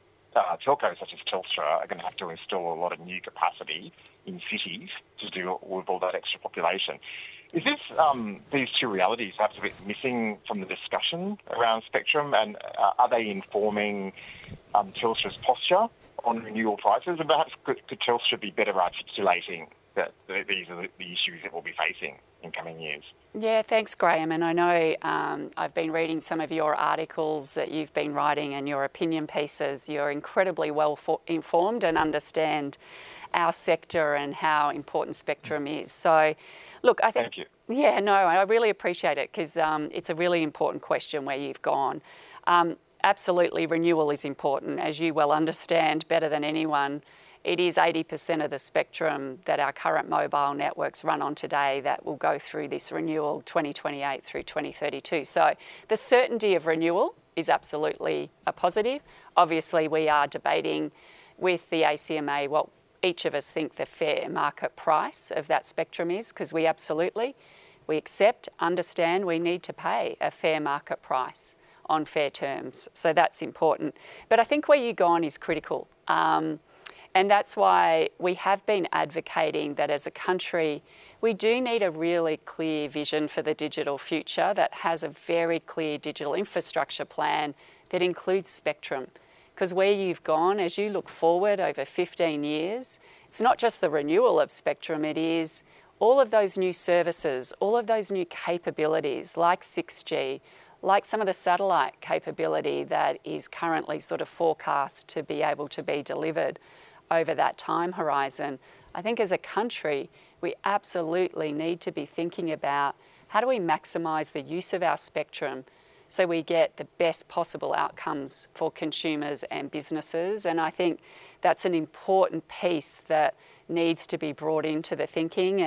Speaker 22: telcos such as Telstra are going to have to install a lot of new capacity in cities to deal with all that extra population. Is this these two realities perhaps a bit missing from the discussion around spectrum, and are they informing Telstra's posture on renewal prices? And perhaps could Telstra be better at articulating that these are the issues that we'll be facing in coming years?
Speaker 1: Yeah, thanks, Grahame, and I know, I've been reading some of your articles that you've been writing and your opinion pieces. You're incredibly well-informed and understand our sector and how important spectrum is. So look, I think.
Speaker 22: Thank you.
Speaker 1: Yeah, no, I really appreciate it 'cause it's a really important question where you've gone. Absolutely, renewal is important. As you well understand better than anyone, it is 80% of the spectrum that our current mobile networks run on today that will go through this renewal, 2028 through 2032. So the certainty of renewal is absolutely a positive. Obviously, we are debating with the ACMA what each of us think the fair market price of that spectrum is, 'cause we absolutely, we accept, understand we need to pay a fair market price on fair terms. So that's important. But I think where you're going is critical. And that's why we have been advocating that as a country, we do need a really clear vision for the digital future that has a very clear digital infrastructure plan that includes spectrum. 'Cause where you've gone, as you look forward over 15 years, it's not just the renewal of spectrum, it is all of those new services, all of those new capabilities like 6G, like some of the satellite capability that is currently sort of forecast to be able to be delivered over that time horizon. I think as a country, we absolutely need to be thinking about: how do we maximize the use of our spectrum so we get the best possible outcomes for consumers and businesses? And I think that's an important piece that needs to be brought into the thinking.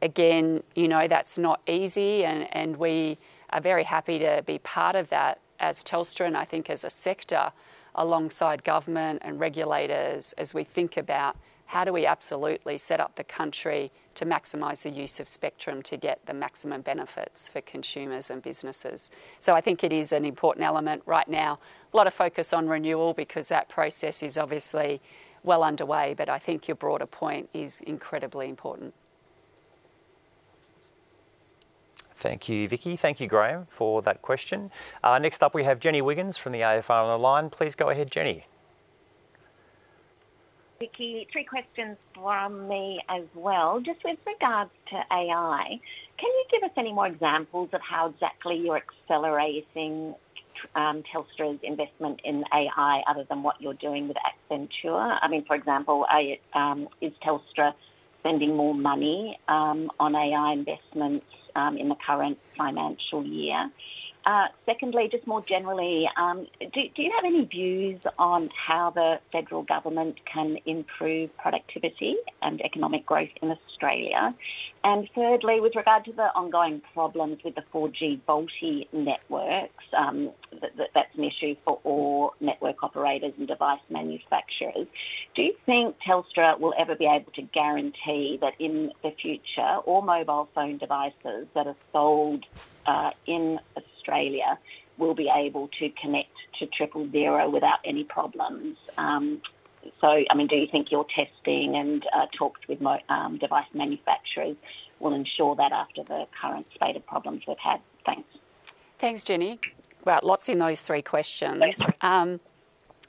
Speaker 1: Again, you know, that's not easy, and we are very happy to be part of that as Telstra, and I think as a sector, alongside government and regulators, as we think about how do we absolutely set up the country to maximize the use of spectrum to get the maximum benefits for consumers and businesses. So I think it is an important element right now. A lot of focus on renewal because that process is obviously well underway, but I think your broader point is incredibly important.
Speaker 19: Thank you, Vicki. Thank you, Grahame, for that question. Next up, we have Jenny Wiggins from the AFR on the line. Please go ahead, Jenny.
Speaker 23: Vicki, three questions from me as well. Just with regards to AI, can you give us any more examples of how exactly you're accelerating Telstra's investment in AI other than what you're doing with Accenture? I mean, for example, is Telstra spending more money on AI investments in the current financial year? Secondly, just more generally, do you have any views on how the federal government can improve productivity and economic growth in Australia? Thirdly, with regard to the ongoing problems with the 4G VoLTE networks, that's an issue for all network operators and device manufacturers. Do you think Telstra will ever be able to guarantee that in the future, all mobile phone devices that are sold in Australia will be able to connect to Triple Zero without any problems? So, I mean, do you think your testing and talks with device manufacturers will ensure that after the current spate of problems we've had? Thanks.
Speaker 1: Thanks, Jenny. Well, lots in those three questions.
Speaker 23: Yes.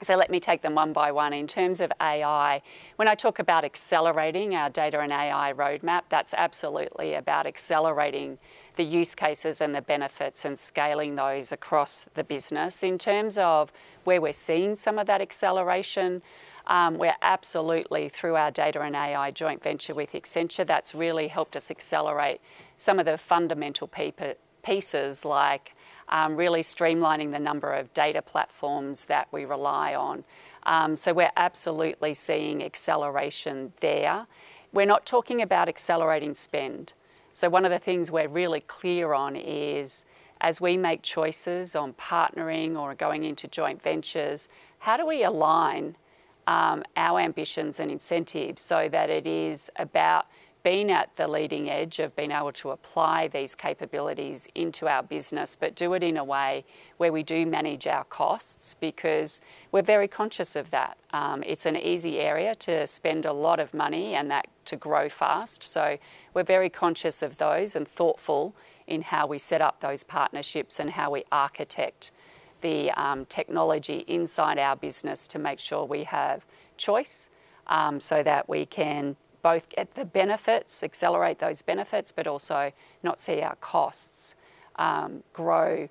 Speaker 1: So let me take them one by one. In terms of AI, when I talk about accelerating our data and AI roadmap, that's absolutely about accelerating the use cases and the benefits and scaling those across the business. In terms of where we're seeing some of that acceleration, we're absolutely through our data and AI joint venture with Accenture, that's really helped us accelerate some of the fundamental paper- pieces, like, really streamlining the number of data platforms that we rely on. So we're absolutely seeing acceleration there. We're not talking about accelerating spend. One of the things we're really clear on is, as we make choices on partnering or going into joint ventures, how do we align our ambitions and incentives so that it is about being at the leading edge of being able to apply these capabilities into our business, but do it in a way where we do manage our costs? Because we're very conscious of that. It's an easy area to spend a lot of money and to grow fast. We are very conscious of those and thoughtful in how we set up those partnerships and how we architect the technology inside our business to make sure we have choice, so that we can both get the benefits, accelerate those benefits, but also not see our costs grow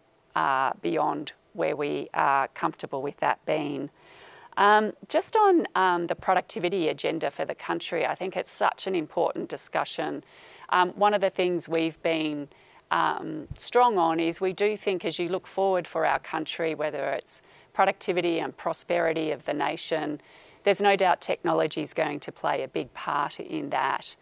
Speaker 1: beyond where we are comfortable with that being. Just on the productivity agenda for the country, I think it's such an important discussion. One of the things we've been strong on is we do think as you look forward for our country, whether it's productivity and prosperity of the nation, there's no doubt technology's going to play a big part in that.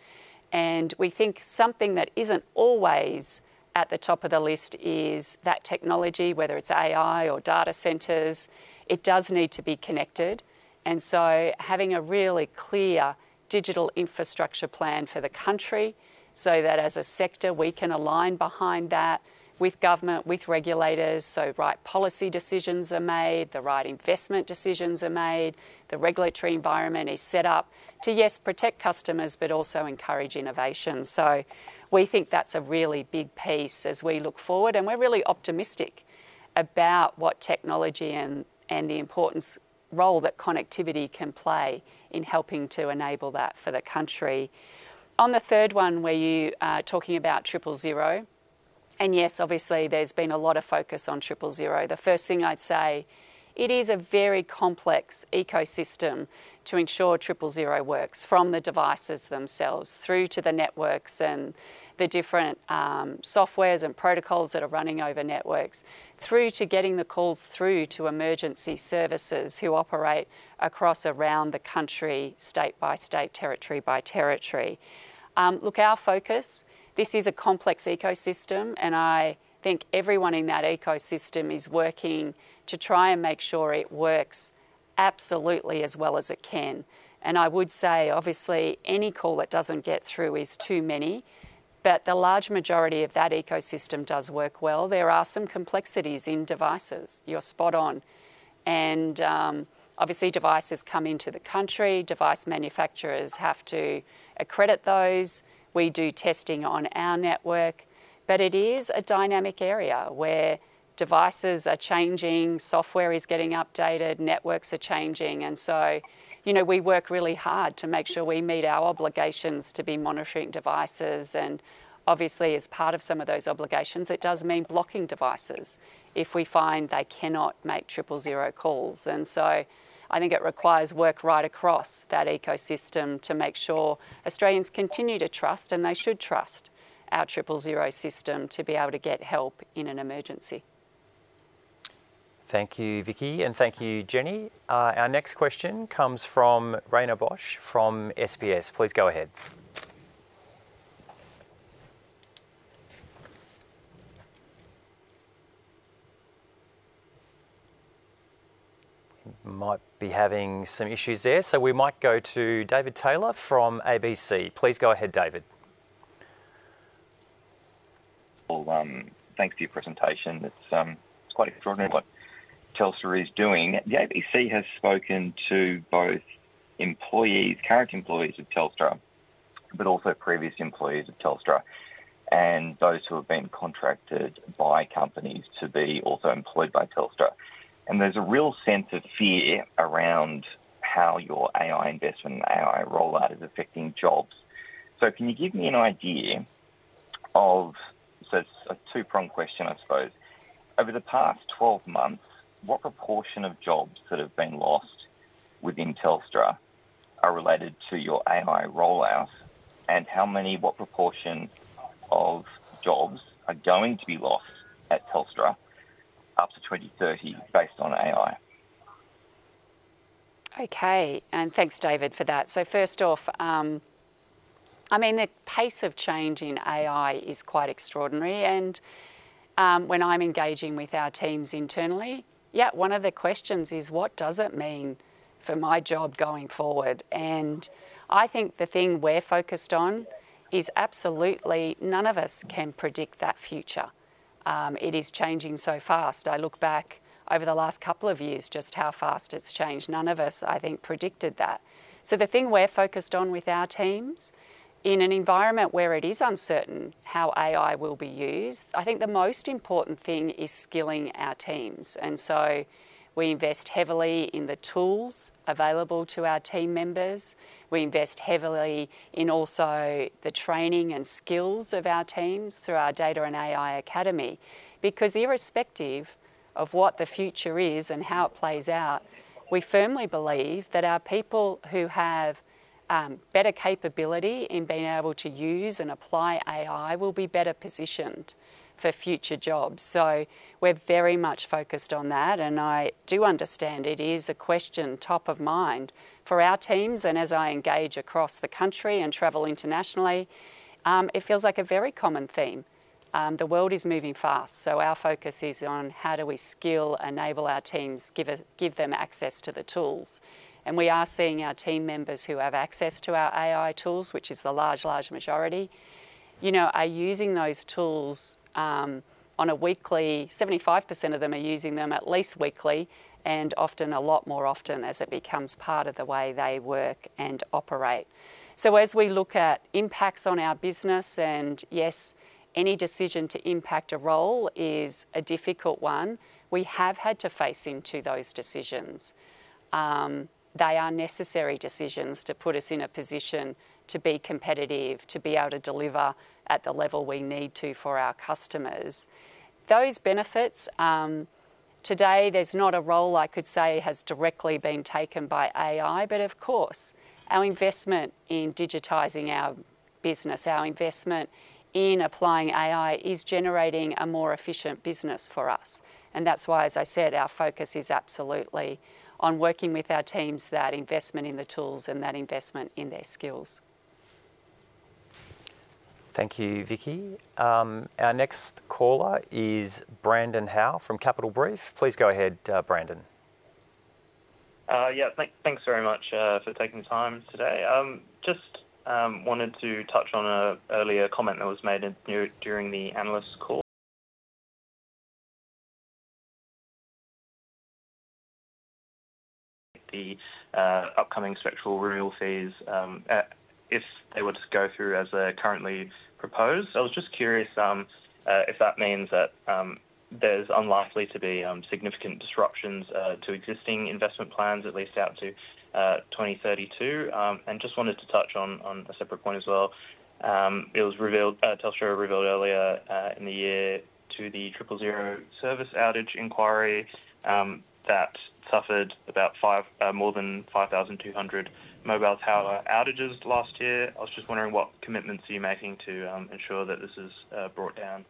Speaker 1: And we think something that isn't always at the top of the list is that technology, whether it's AI or data centers, it does need to be connected. And so having a really clear digital infrastructure plan for the country, so that as a sector, we can align behind that with government, with regulators, so right policy decisions are made, the right investment decisions are made, the regulatory environment is set up to, yes, protect customers but also encourage innovation. So we think that's a really big piece as we look forward, and we're really optimistic about what technology and the important role that connectivity can play in helping to enable that for the country. On the third one, where you are talking about Triple Zero, and yes, obviously there's been a lot of focus on Triple Zero. The first thing I'd say, it is a very complex ecosystem to ensure Triple Zero works, from the devices themselves, through to the networks and the different softwares and protocols that are running over networks, through to getting the calls through to emergency services who operate across around the country, state by state, territory by territory. Look, our focus, this is a complex ecosystem, and I think everyone in that ecosystem is working to try and make sure it works absolutely as well as it can. I would say, obviously, any call that doesn't get through is too many, but the large majority of that ecosystem does work well. There are some complexities in devices. You're spot on. And, obviously, devices come into the country, device manufacturers have to accredit those. We do testing on our network. But it is a dynamic area where devices are changing, software is getting updated, networks are changing, and so, you know, we work really hard to make sure we meet our obligations to be monitoring devices. And obviously, as part of some of those obligations, it does mean blocking devices if we find they cannot make Triple Zero calls. And so I think it requires work right across that ecosystem to make sure Australians continue to trust, and they should trust our Triple Zero system, to be able to get help in an emergency.
Speaker 19: Thank you, Vicki, and thank you, Jenny. Our next question comes from Raina Bosch from SBS. Please go ahead. Might be having some issues there, so we might go to David Taylor from ABC. Please go ahead, David.
Speaker 24: Well, thanks for your presentation. It's, it's quite extraordinary what Telstra is doing. The ABC has spoken to both employees, current employees of Telstra, but also previous employees of Telstra, and those who have been contracted by companies to be also employed by Telstra. And there's a real sense of fear around how your AI investment and AI rollout is affecting jobs. So can you give me an idea of. So it's a two-prong question, I suppose. Over the past 12 months, what proportion of jobs that have been lost within Telstra are related to your AI rollout, and how many, what proportion of jobs are going to be lost at Telstra up to 2030 based on AI?
Speaker 1: Okay, and thanks, David, for that. So first off, I mean, the pace of change in AI is quite extraordinary, and, when I'm engaging with our teams internally, yeah, one of the questions is: What does it mean for my job going forward? And I think the thing we're focused on is absolutely none of us can predict that future. It is changing so fast. I look back over the last couple of years, just how fast it's changed. None of us, I think, predicted that. So the thing we're focused on with our teams, in an environment where it is uncertain how AI will be used, I think the most important thing is skilling our teams. And so we invest heavily in the tools available to our team members. We invest heavily in also the training and skills of our teams through our data and AI academy. Because irrespective of what the future is and how it plays out, we firmly believe that our people who have better capability in being able to use and apply AI will be better positioned for future jobs. So we're very much focused on that, and I do understand it is a question top of mind for our teams. And as I engage across the country and travel internationally, it feels like a very common theme. The world is moving fast, so our focus is on: How do we skill, enable our teams, give them access to the tools? And we are seeing our team members who have access to our AI tools, which is the large, large majority. You know, are using those tools on a weekly, 75% of them are using them at least weekly, and often a lot more often as it becomes part of the way they work and operate. So as we look at impacts on our business, and yes, any decision to impact a role is a difficult one, we have had to face into those decisions. They are necessary decisions to put us in a position to be competitive, to be able to deliver at the level we need to for our customers. Those benefits, today, there's not a role I could say has directly been taken by AI, but of course, our investment in digitizing our business, our investment in applying AI, is generating a more efficient business for us. That's why, as I said, our focus is absolutely on working with our teams, that investment in the tools and that investment in their skills.
Speaker 19: Thank you, Vicki. Our next caller is Brandon Howe from Capital Brief. Please go ahead, Brandon.
Speaker 25: Yeah, thanks very much for taking time today. Just wanted to touch on an earlier comment that was made during the analyst call. The upcoming spectrum renewal fees, if they were to go through as they're currently proposed. I was just curious if that means that there's unlikely to be significant disruptions to existing investment plans, at least out to 2032. And just wanted to touch on a separate point as well. It was revealed, Telstra revealed earlier in the year to the Triple Zero service outage inquiry that suffered more than 5,200 mobile tower outages last year. I was just wondering what commitments are you making to ensure that this is brought down?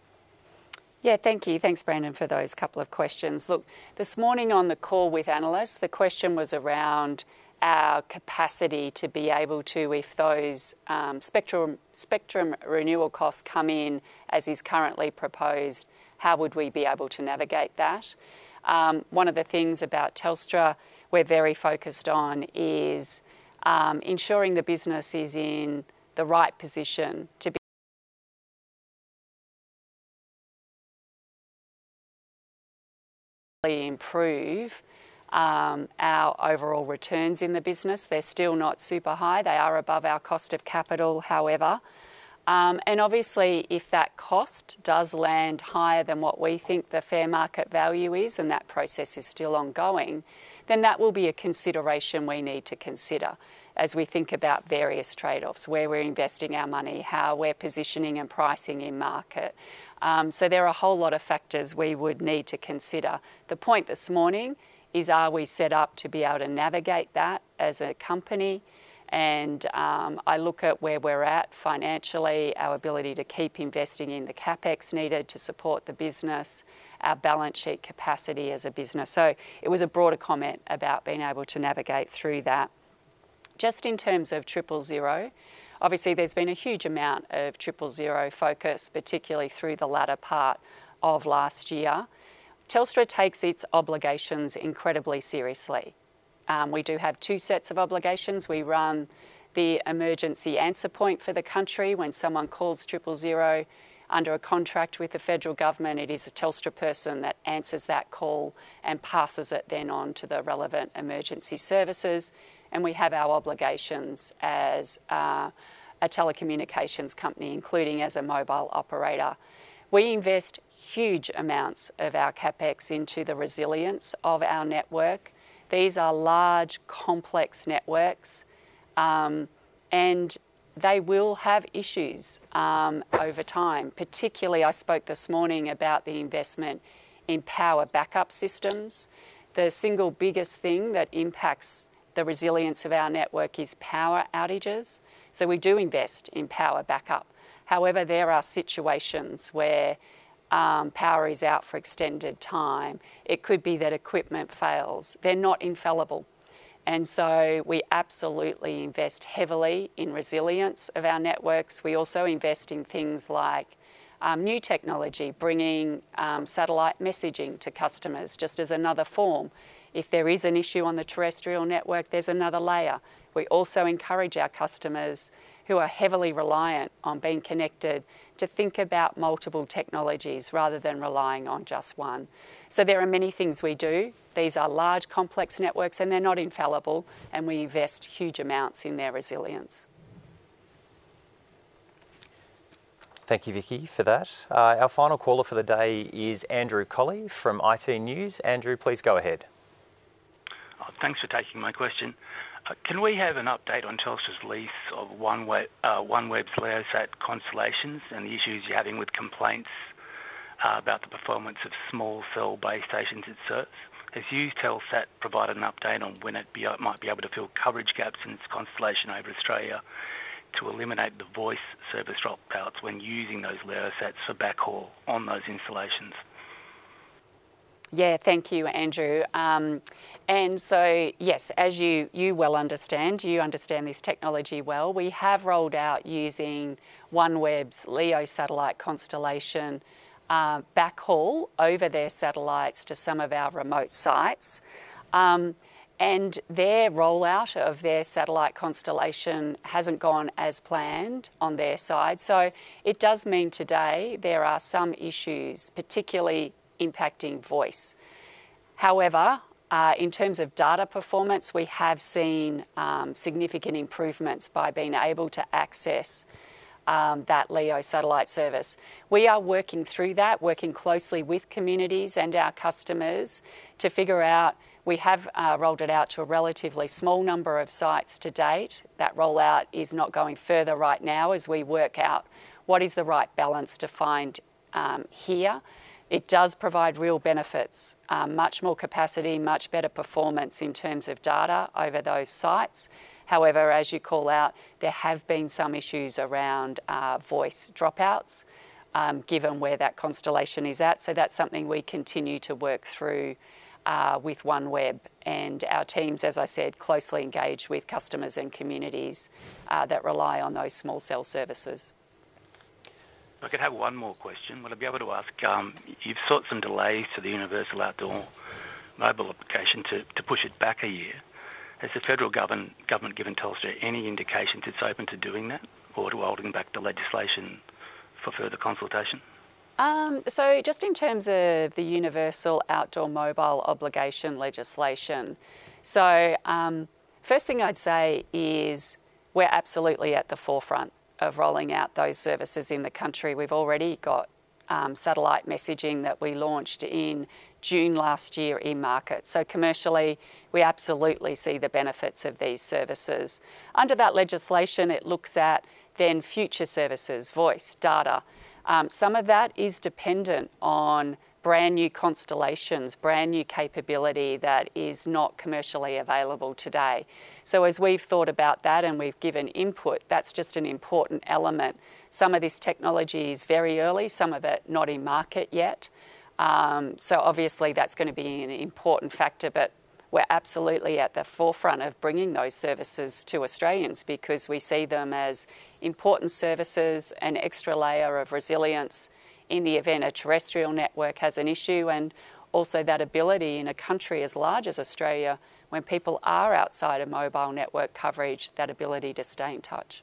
Speaker 1: Yeah, thank you. Thanks, Brandon, for those couple of questions. Look, this morning on the call with analysts, the question was around our capacity to be able to, if those, spectrum renewal costs come in as is currently proposed, how would we be able to navigate that? One of the things about Telstra we're very focused on is, ensuring the business is in the right position to be improve, our overall returns in the business. They're still not super high. They are above our cost of capital, however. And obviously, if that cost does land higher than what we think the fair market value is, and that process is still ongoing, then that will be a consideration we need to consider as we think about various trade-offs, where we're investing our money, how we're positioning and pricing in market. So there are a whole lot of factors we would need to consider. The point this morning is: are we set up to be able to navigate that as a company? I look at where we're at financially, our ability to keep investing in the CapEx needed to support the business, our balance sheet capacity as a business. So it was a broader comment about being able to navigate through that. Just in terms of Triple Zero, obviously, there's been a huge amount of Triple Zero focus, particularly through the latter part of last year. Telstra takes its obligations incredibly seriously. We do have two sets of obligations. We run the emergency answer point for the country. When someone calls Triple Zero under a contract with the federal government, it is a Telstra person that answers that call and passes it then on to the relevant emergency services, and we have our obligations as a telecommunications company, including as a mobile operator. We invest huge amounts of our CapEx into the resilience of our network. These are large, complex networks, and they will have issues over time. Particularly, I spoke this morning about the investment in power backup systems. The single biggest thing that impacts the resilience of our network is power outages, so we do invest in power backup. However, there are situations where power is out for extended time. It could be that equipment fails. They're not infallible, and so we absolutely invest heavily in resilience of our networks. We also invest in things like, new technology, bringing, satellite messaging to customers just as another form. If there is an issue on the terrestrial network, there's another layer. We also encourage our customers who are heavily reliant on being connected to think about multiple technologies rather than relying on just one. So there are many things we do. These are large, complex networks, and they're not infallible, and we invest huge amounts in their resilience.
Speaker 19: Thank you, Vicki, for that. Our final caller for the day is Andrew Colley from iTnews. Andrew, please go ahead.
Speaker 26: Thanks for taking my question. Can we have an update on Telstra's lease of OneWeb, OneWeb's LEO sat constellations and the issues you're having with complaints about the performance of small cell base stations it serves? Has Telstra provided an update on when it might be able to fill coverage gaps in its constellation over Australia to eliminate the voice service dropouts when using those LEO sats for backhaul on those installations?
Speaker 1: Yeah, thank you, Andrew. And so yes, as you well understand this technology well. We have rolled out using OneWeb's LEO satellite constellation backhaul over their satellites to some of our remote sites. And their rollout of their satellite constellation hasn't gone as planned on their side. So it does mean today there are some issues, particularly impacting voice. However, in terms of data performance, we have seen significant improvements by being able to access that LEO satellite service. We are working through that, working closely with communities and our customers to figure out. We have rolled it out to a relatively small number of sites to date. That rollout is not going further right now as we work out what is the right balance to find here. It does provide real benefits, much more capacity, much better performance in terms of data over those sites. However, as you call out, there have been some issues around, voice dropouts, given where that constellation is at. So that's something we continue to work through, with OneWeb. And our teams, as I said, closely engage with customers and communities, that rely on those small cell services.
Speaker 26: If I could have one more question. Would I be able to ask, you've sought some delays to the universal outdoor mobile application to push it back a year. Has the federal government given Telstra any indication it's open to doing that or to holding back the legislation for further consultation?
Speaker 1: So just in terms of the universal outdoor mobile obligation legislation. First thing I'd say is we're absolutely at the forefront of rolling out those services in the country. We've already got satellite messaging that we launched in June last year in market. Commercially, we absolutely see the benefits of these services. Under that legislation, it looks at then future services: voice, data. Some of that is dependent on brand-new constellations, brand-new capability that is not commercially available today. So as we've thought about that and we've given input, that's just an important element. Some of this technology is very early, some of it not in market yet. Obviously, that's going to be an important factor, but we're absolutely at the forefront of bringing those services to Australians because we see them as important services, an extra layer of resilience in the event a terrestrial network has an issue, and also that ability in a country as large as Australia, when people are outside of mobile network coverage, that ability to stay in touch.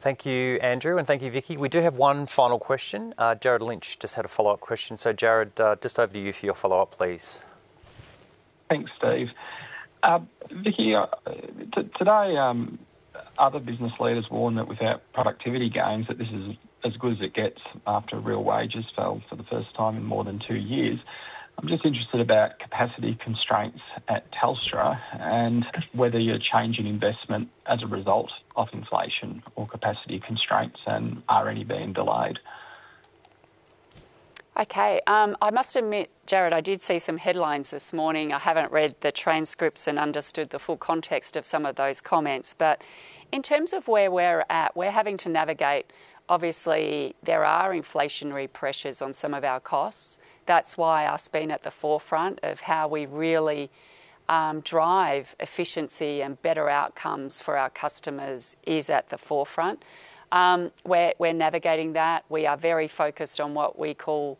Speaker 19: Thank you, Andrew, and thank you, Vicki. We do have one final question. Jared Lynch just had a follow-up question. Jared, just over to you for your follow-up, please.
Speaker 21: Thanks, Steve. Vicki, today, other business leaders warn that without productivity gains, that this is as good as it gets after real wages fell for the first time in more than two years. I'm just interested about capacity constraints at Telstra and whether you're changing investment as a result of inflation or capacity constraints and are any being delayed?
Speaker 1: Okay, I must admit, Jared, I did see some headlines this morning. I haven't read the transcripts and understood the full context of some of those comments. But in terms of where we're at, we're having to navigate. Obviously, there are inflationary pressures on some of our costs. That's why us being at the forefront of how we really drive efficiency and better outcomes for our customers is at the forefront. We're navigating that. We are very focused on what we call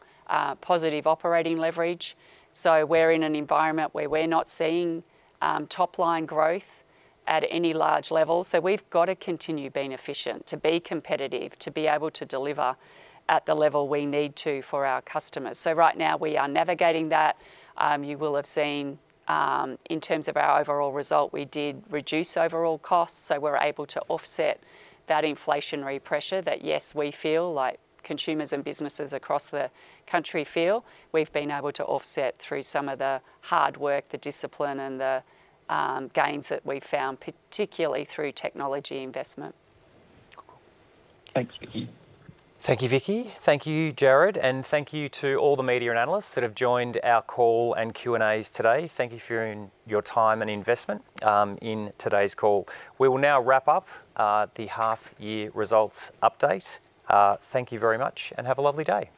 Speaker 1: positive operating leverage. So we're in an environment where we're not seeing top-line growth at any large level. So we've got to continue being efficient, to be competitive, to be able to deliver at the level we need to for our customers. So right now, we are navigating that. You will have seen, in terms of our overall result, we did reduce overall costs, so we're able to offset that inflationary pressure that, yes, we feel like consumers and businesses across the country feel. We've been able to offset through some of the hard work, the discipline, and the gains that we found, particularly through technology investment.
Speaker 21: Thanks, Vicki.
Speaker 19: Thank you, Vicki. Thank you, Jared, and thank you to all the media and analysts that have joined our call and Q&As today. Thank you for your, your time and investment in today's call. We will now wrap up the half year results update. Thank you very much and have a lovely day.